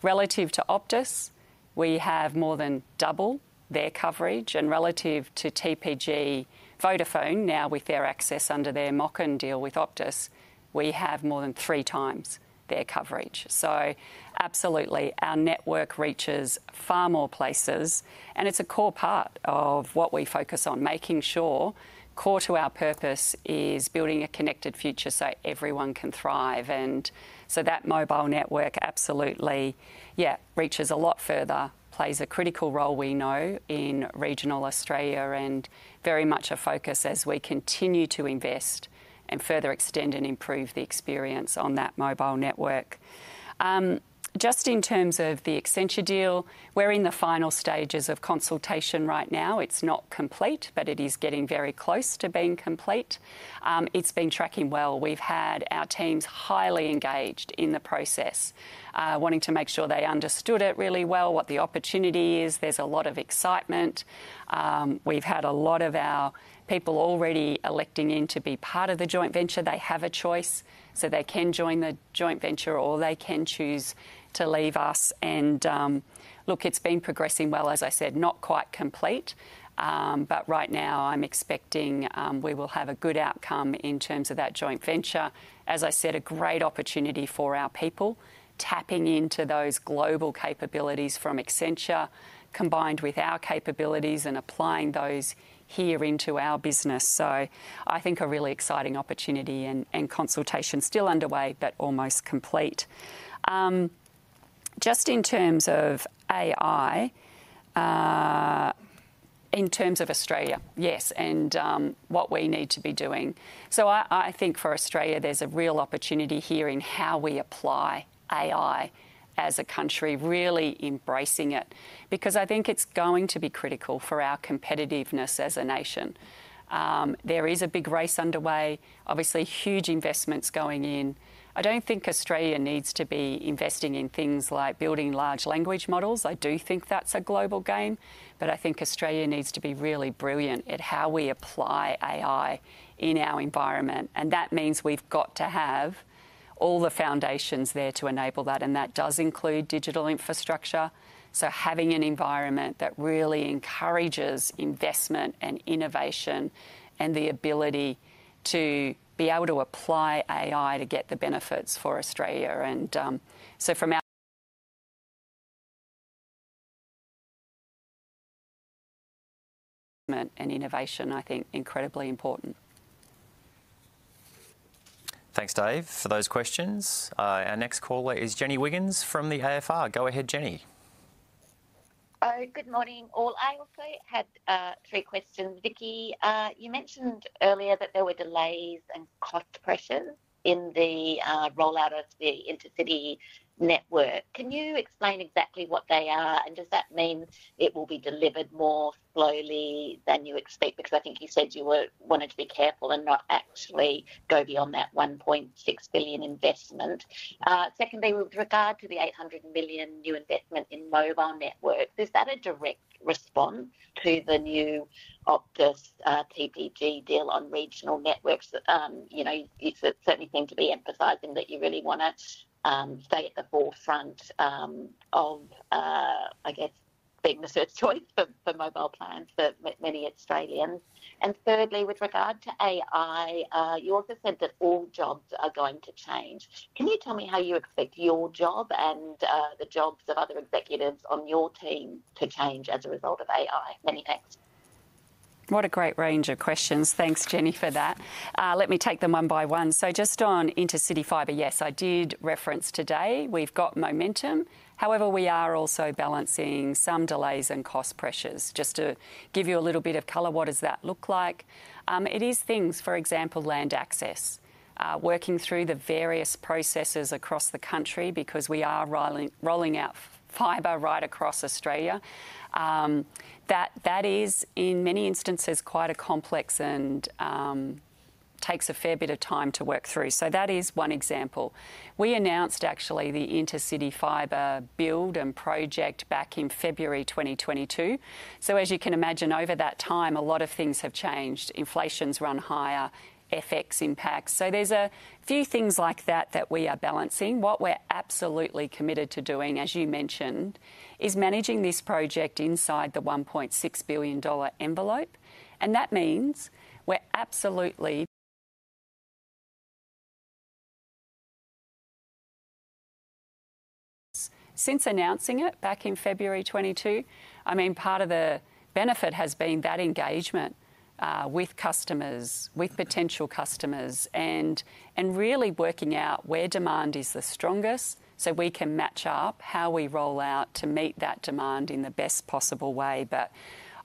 Relative to Optus, we have more than double their coverage. And relative to TPG Vodafone, now with their access under their MOCN deal with Optus, we have more than three times their coverage. So absolutely, our network reaches far more places, and it's a core part of what we focus on, making sure core to our purpose is building a connected future so everyone can thrive. And so that mobile network absolutely, yeah, reaches a lot further, plays a critical role, we know, in regional Australia and very much a focus as we continue to invest and further extend and improve the experience on that mobile network. Just in terms of the Accenture deal, we're in the final stages of consultation right now. It's not complete, but it is getting very close to being complete. It's been tracking well. We've had our teams highly engaged in the process, wanting to make sure they understood it really well, what the opportunity is. There's a lot of excitement. We've had a lot of our people already electing in to be part of the joint venture. They have a choice, so they can join the joint venture or they can choose to leave us. And look, it's been progressing well, as I said, not quite complete, but right now I'm expecting we will have a good outcome in terms of that joint venture. As I said, a great opportunity for our people tapping into those global capabilities from Accenture combined with our capabilities and applying those here into our business. So I think a really exciting opportunity and consultation still underway, but almost complete. Just in terms of AI, in terms of Australia, yes, and what we need to be doing. So I think for Australia, there's a real opportunity here in how we apply AI as a country, really embracing it, because I think it's going to be critical for our competitiveness as a nation. There is a big race underway, obviously huge investments going in. I don't think Australia needs to be investing in things like building large language models. I do think that's a global game, but I think Australia needs to be really brilliant at how we apply AI in our environment, and that means we've got to have all the foundations there to enable that, and that does include digital infrastructure, so having an environment that really encourages investment and innovation and the ability to be able to apply AI to get the benefits for Australia. And so, from an innovation, I think incredibly important. Thanks, Dave, for those questions. Our next caller is Jenny Wiggins from the AFR. Go ahead, Jenny. Good morning all. I also had three questions. Vicki, you mentioned earlier that there were delays and cost pressures in the rollout of the intercity network. Can you explain exactly what they are, and does that mean it will be delivered more slowly than you expect? Because I think you said you wanted to be careful and not actually go beyond that 1.6 billion investment. Secondly, with regard to the 800 million new investment in mobile networks, is that a direct response to the new Optus TPG deal on regional networks? You know, it certainly seems to be emphasizing that you really want to stay at the forefront of, I guess, being the first choice for mobile plans for many Australians. And thirdly, with regard to AI, you also said that all jobs are going to change. Can you tell me how you expect your job and the jobs of other executives on your team to change as a result of AI? Many thanks. What a great range of questions. Thanks, Jenny, for that. Let me take them one by one. So just on intercity fiber, yes, I did reference today. We've got momentum. However, we are also balancing some delays and cost pressures. Just to give you a little bit of color, what does that look like? It is things, for example, land access, working through the various processes across the country because we are rolling out fiber right across Australia. That is, in many instances, quite a complex and takes a fair bit of time to work through. So that is one example. We announced actually the intercity fiber build and project back in February 2022. So as you can imagine, over that time, a lot of things have changed. Inflation's run higher, FX impacts. So there's a few things like that that we are balancing. What we're absolutely committed to doing, as you mentioned, is managing this project inside the 1.6 billion dollar envelope, and that means we're absolutely since announcing it back in February 2022, I mean, part of the benefit has been that engagement with customers, with potential customers, and really working out where demand is the strongest so we can match up how we roll out to meet that demand in the best possible way. But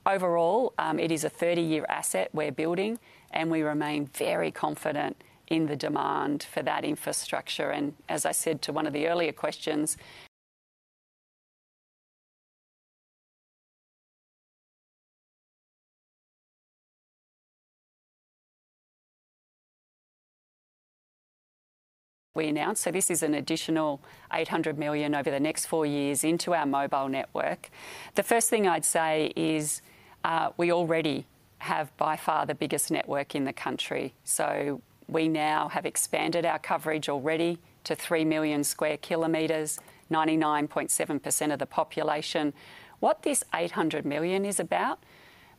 overall, it is a 30-year asset we're building, and we remain very confident in the demand for that infrastructure. As I said to one of the earlier questions, we announced that this is an additional 800 million over the next four years into our mobile network. The first thing I'd say is we already have by far the biggest network in the country. We now have expanded our coverage already to 3 million sq km, 99.7% of the population. What this 800 million is about,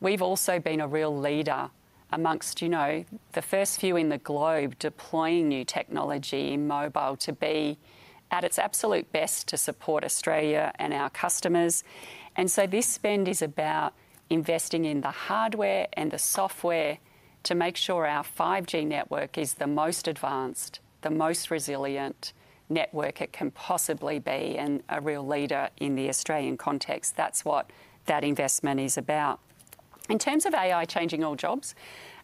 we've also been a real leader amongst the first few in the globe deploying new technology in mobile to be at its absolute best to support Australia and our customers. This spend is about investing in the hardware and the software to make sure our 5G network is the most advanced, the most resilient network it can possibly be and a real leader in the Australian context. That's what that investment is about. In terms of AI changing all jobs,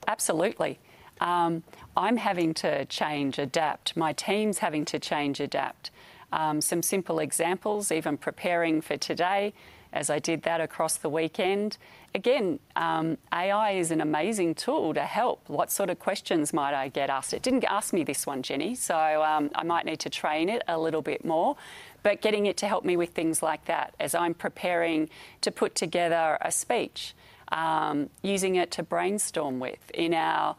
absolutely. I'm having to change, adapt. My team's having to change, adapt. Some simple examples, even preparing for today, as I did that across the weekend. Again, AI is an amazing tool to help. What sort of questions might I get asked? It didn't ask me this one, Jenny, so I might need to train it a little bit more. But getting it to help me with things like that as I'm preparing to put together a speech, using it to brainstorm with in our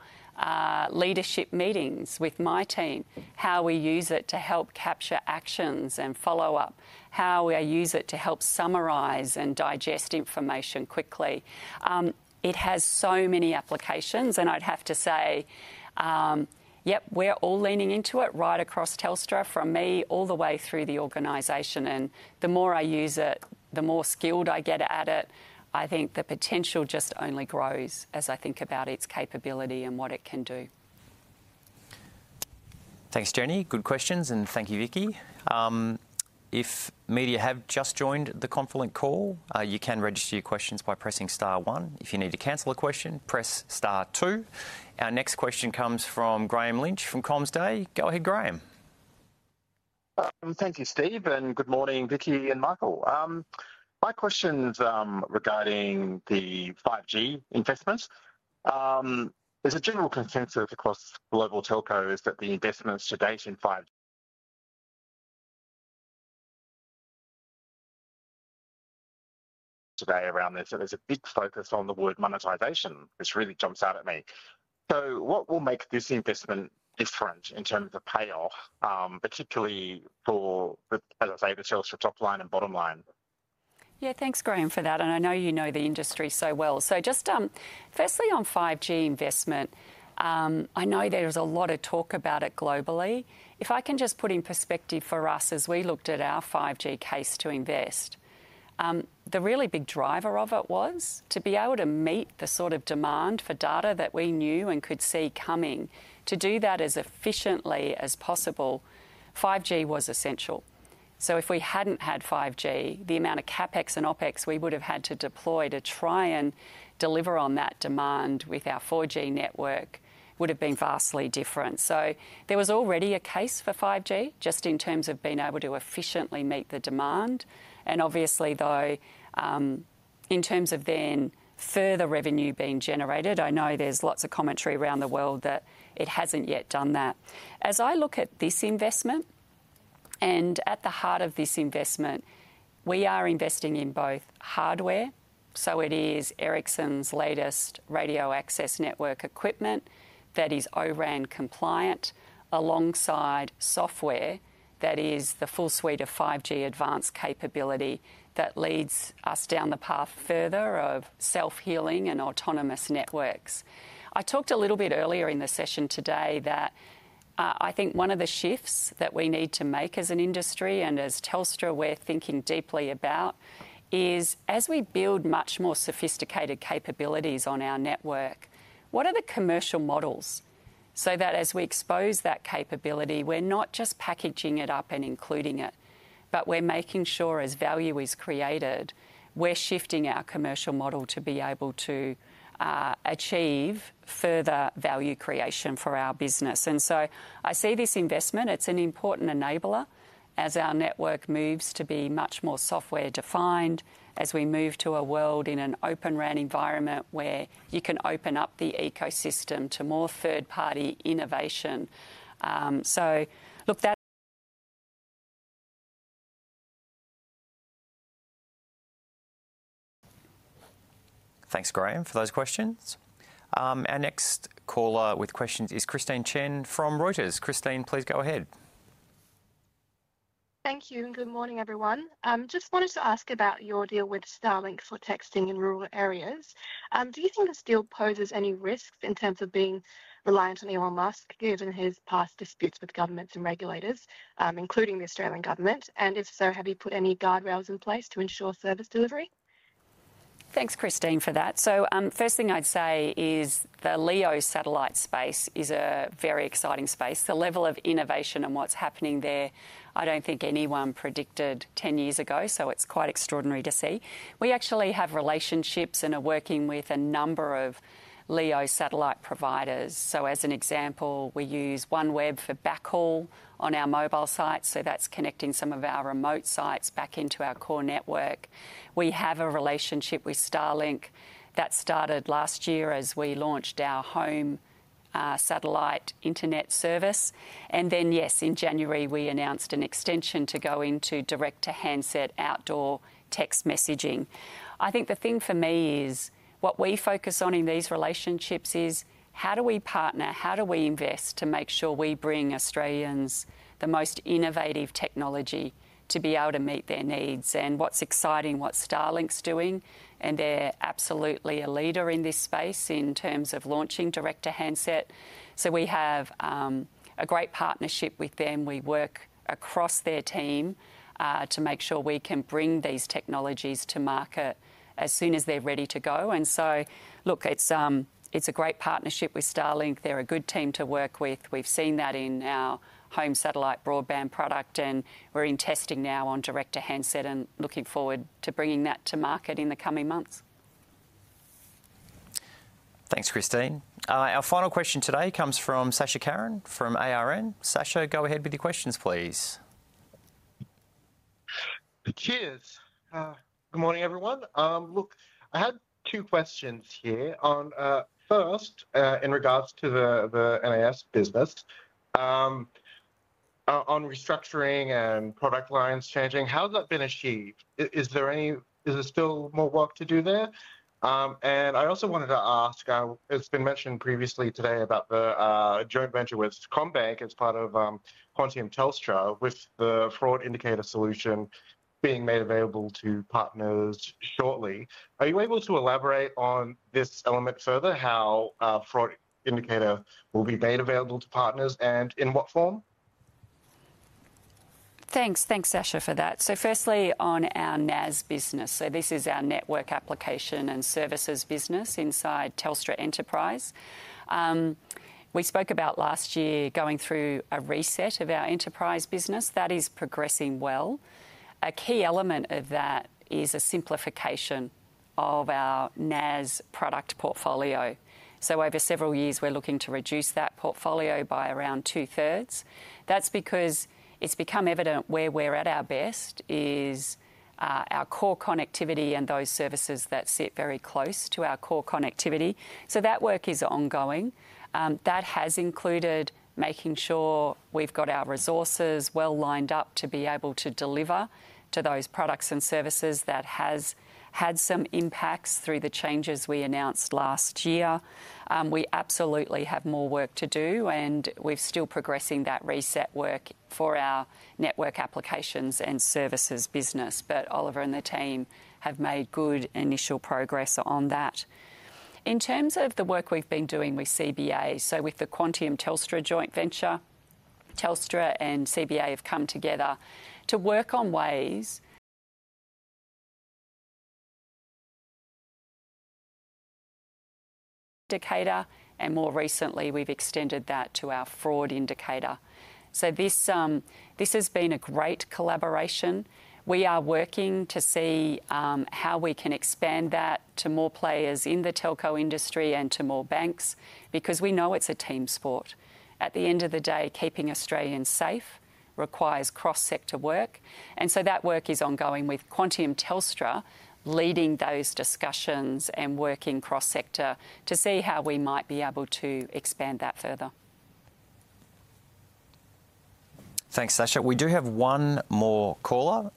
leadership meetings with my team, how we use it to help capture actions and follow up, how we use it to help summarize and digest information quickly. It has so many applications, and I'd have to say, yep, we're all leaning into it right across Telstra from me all the way through the organization. And the more I use it, the more skilled I get at it, I think the potential just only grows as I think about its capability and what it can do. Thanks, Jenny. Good questions, and thank you, Vicki. If media have just joined the conference call, you can register your questions by pressing star one. If you need to cancel a question, press star two. Our next question comes from Graham Lynch from CommsDay. Go ahead, Graham. Thank you, Steve, and good morning, Vicki and Michael. My question's regarding the 5G investments. There's a general consensus across global telcos that the investments to date in 5G today around this. There's a big focus on the word monetization, which really jumps out at me. So what will make this investment different in terms of payoff, particularly for, as I say, the Telstra top line and bottom line? Yeah, thanks, Graham, for that. And I know you know the industry so well. So just firstly on 5G investment, I know there was a lot of talk about it globally. If I can just put in perspective for us as we looked at our 5G case to invest, the really big driver of it was to be able to meet the sort of demand for data that we knew and could see coming. To do that as efficiently as possible, 5G was essential. So if we hadn't had 5G, the amount of CapEx and OpEx we would have had to deploy to try and deliver on that demand with our 4G network would have been vastly different. So there was already a case for 5G just in terms of being able to efficiently meet the demand. Obviously, though, in terms of then further revenue being generated, I know there's lots of commentary around the world that it hasn't yet done that. As I look at this investment, and at the heart of this investment, we are investing in both hardware. It is Ericsson's latest radio access network equipment that is O-RAN compliant, alongside software that is the full suite of 5G advanced capability that leads us down the path further of self-healing and autonomous networks. I talked a little bit earlier in the session today that I think one of the shifts that we need to make as an industry and as Telstra we're thinking deeply about is, as we build much more sophisticated capabilities on our network, what are the commercial models so that as we expose that capability, we're not just packaging it up and including it, but we're making sure as value is created, we're shifting our commercial model to be able to achieve further value creation for our business. And so I see this investment, it's an important enabler as our network moves to be much more software defined, as we move to a world in an Open RAN environment where you can open up the ecosystem to more third-party innovation. So look, that's thanks, Graham, for those questions. Our next caller with questions is Christine Chen from Reuters. Christine, please go ahead. Thank you and good morning, everyone. Just wanted to ask about your deal with Starlink for texting in rural areas. Do you think this deal poses any risks in terms of being reliant on Elon Musk, given his past disputes with governments and regulators, including the Australian government? And if so, have you put any guardrails in place to ensure service delivery? Thanks, Christine, for that. So first thing I'd say is the LEO satellite space is a very exciting space. The level of innovation and what's happening there, I don't think anyone predicted 10 years ago, so it's quite extraordinary to see. We actually have relationships and are working with a number of LEO satellite providers. So as an example, we use OneWeb for backhaul on our mobile sites, so that's connecting some of our remote sites back into our core network. We have a relationship with Starlink that started last year as we launched our home satellite internet service, and then, yes, in January, we announced an extension to go into direct-to-handset outdoor text messaging. I think the thing for me is what we focus on in these relationships is how do we partner, how do we invest to make sure we bring Australians the most innovative technology to be able to meet their needs, and what's exciting, what Starlink's doing, and they're absolutely a leader in this space in terms of launching direct-to-handset, so we have a great partnership with them. We work across their team to make sure we can bring these technologies to market as soon as they're ready to go, and so look, it's a great partnership with Starlink. They're a good team to work with. We've seen that in our home satellite broadband product, and we're in testing now on direct-to-handset and looking forward to bringing that to market in the coming months. Thanks, Christine. Our final question today comes from Sasha Karen from ARN. Sasha, go ahead with your questions, please. Cheers. Good morning, everyone. Look, I had two questions here. First, in regards to the NAS business, on restructuring and product lines changing, how has that been achieved? Is there still more work to do there? And I also wanted to ask, it's been mentioned previously today about the joint venture with CommBank as part of Quantium Telstra, with the Fraud Indicator solution being made available to partners shortly. Are you able to elaborate on this element further, how Fraud Indicator will be made available to partners and in what form? Thanks. Thanks, Sasha, for that. So firstly, on our NAS business, so this is our Network Applications and Services business inside Telstra Enterprise. We spoke about last year going through a reset of our enterprise business. That is progressing well. A key element of that is a simplification of our NAS product portfolio. So over several years, we're looking to reduce that portfolio by around two-thirds. That's because it's become evident where we're at our best is our core connectivity and those services that sit very close to our core connectivity. So that work is ongoing. That has included making sure we've got our resources well lined up to be able to deliver to those products and services. That has had some impacts through the changes we announced last year. We absolutely have more work to do, and we're still progressing that reset work for our network applications and services business. But Oliver and the team have made good initial progress on that. In terms of the work we've been doing with CBA, so with the Quantium Telstra joint venture, Telstra and CBA have come together to work on Scam Indicator, and more recently, we've extended that to our Fraud Indicator. So this has been a great collaboration. We are working to see how we can expand that to more players in the telco industry and to more banks because we know it's a team sport. At the end of the day, keeping Australians safe requires cross-sector work. And so that work is ongoing with Quantium Telstra, leading those discussions and working cross-sector to see how we might be able to expand that further. Thanks, Sasha. We do have one more caller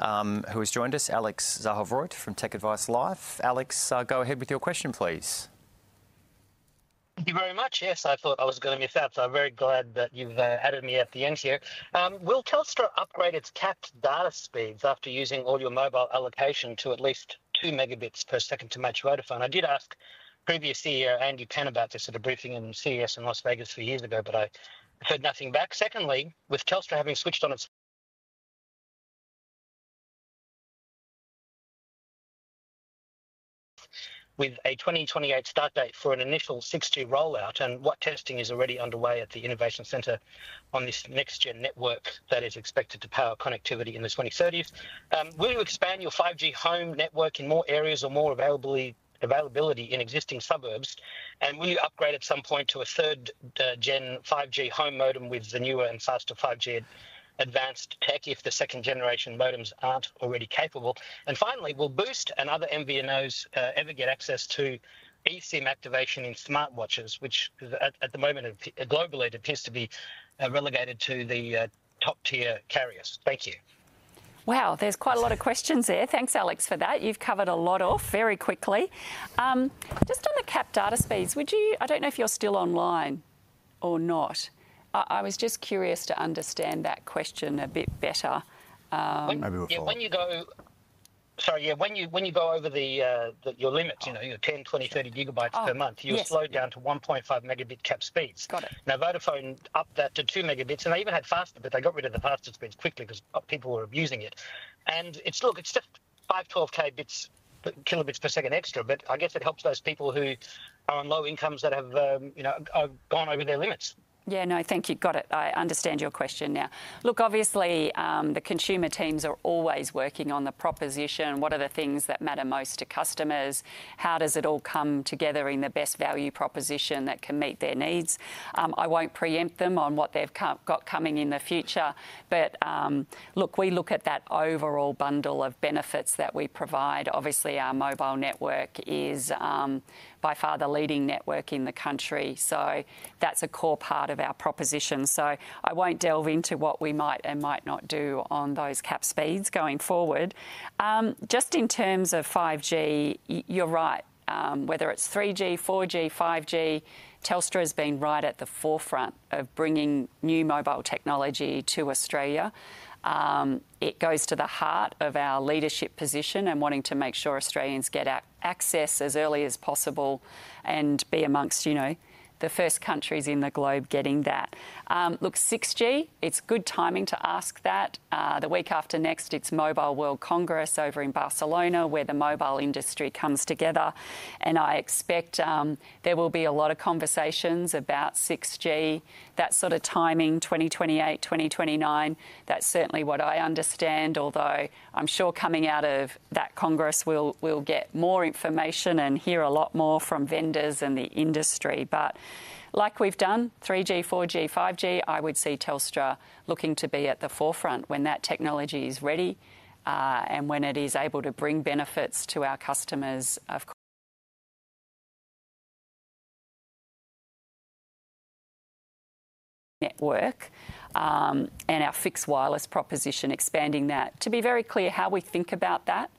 who has joined us, Alex Zaharov-Reutt from TechAdvice.Life. Alex, go ahead with your question, please. Thank you very much. Yes, I thought I was going to be last, so I'm very glad that you've added me at the end here. Will Telstra upgrade its capped data speeds after using all your mobile allocation to at least two megabits per second to match Vodafone? I did ask previous CEO Andy Penn about this at a briefing in CES in Las Vegas a few years ago, but I heard nothing back. Secondly, with Telstra having switched on its with a 2028 start date for an initial 6G rollout and what testing is already underway at the Innovation Centre on this next-gen network that is expected to power connectivity in the 2030s, will you expand your 5G home network in more areas or more availability in existing suburbs? Will you upgrade at some point to a third-gen 5G home modem with the newer and faster 5G Advanced tech if the second-generation modems aren't already capable? And finally, will Boost and other MVNOs ever get access to eSIM activation in smartwatches, which at the moment globally appears to be relegated to the top-tier carriers? Thank you. Wow, there's quite a lot of questions there. Thanks, Alex, for that. You've covered a lot very quickly. Just on the capped data speeds, would you, I don't know if you're still online or not. I was just curious to understand that question a bit better. Yeah, when you go, sorry, yeah, when you go over your limit, you know, your 10, 20, 30 GB per month, you're slowed down to 1.5 Mb capped speeds. Got it. Now, Vodafone upped that to two megabits, and they even had faster, but they got rid of the faster speeds quickly because people were abusing it, and it's still, it's just 512 Kb per second extra, but I guess it helps those people who are on low incomes that have gone over their limits. Yeah, no, I think you've got it. I understand your question now. Look, obviously, the consumer teams are always working on the proposition. What are the things that matter most to customers? How does it all come together in the best value proposition that can meet their needs? I won't preempt them on what they've got coming in the future, but look, we look at that overall bundle of benefits that we provide. Obviously, our mobile network is by far the leading network in the country, so that's a core part of our proposition. So I won't delve into what we might and might not do on those CapEx going forward. Just in terms of 5G, you're right. Whether it's 3G, 4G, 5G, Telstra has been right at the forefront of bringing new mobile technology to Australia. It goes to the heart of our leadership position and wanting to make sure Australians get access as early as possible and be among the first countries in the globe getting that. Look, 6G, it's good timing to ask that. The week after next, it's Mobile World Congress over in Barcelona where the mobile industry comes together. And I expect there will be a lot of conversations about 6G, that sort of timing, 2028, 2029. That's certainly what I understand, although I'm sure coming out of that congress, we'll get more information and hear a lot more from vendors and the industry. But like we've done, 3G, 4G, 5G, I would see Telstra looking to be at the forefront when that technology is ready and when it is able to bring benefits to our customers of network and our fixed wireless proposition, expanding that to be very clear how we think about that.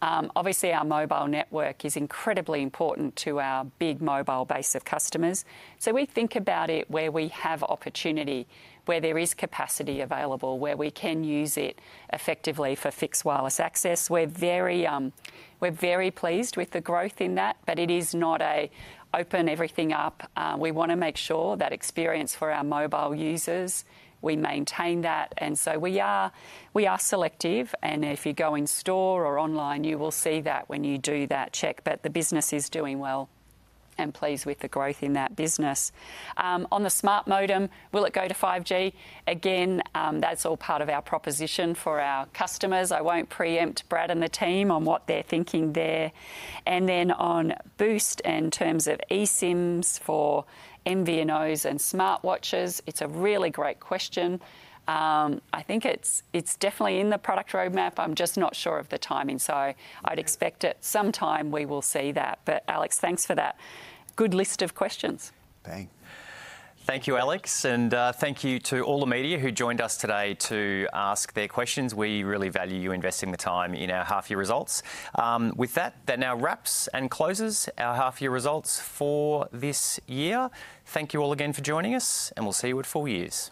Obviously, our mobile network is incredibly important to our big mobile base of customers. So we think about it where we have opportunity, where there is capacity available, where we can use it effectively for fixed wireless access. We're very pleased with the growth in that, but it is not an open everything up. We want to make sure that experience for our mobile users, we maintain that. And so we are selective, and if you go in store or online, you will see that when you do that check. But the business is doing well and pleased with the growth in that business. On the smart modem, will it go to 5G? Again, that's all part of our proposition for our customers. I won't preempt Brad and the team on what they're thinking there. And then on Boost and in terms of eSIMs for MVNOs and smartwatches, it's a really great question. I think it's definitely in the product roadmap. I'm just not sure of the timing, so I'd expect it sometime we will see that. But Alex, thanks for that good list of questions. Thanks. Thank you, Alex, and thank you to all the media who joined us today to ask their questions. We really value you investing the time in our half-year results. With that, that now wraps and closes our half-year results for this year. Thank you all again for joining us, and we'll see you at four years.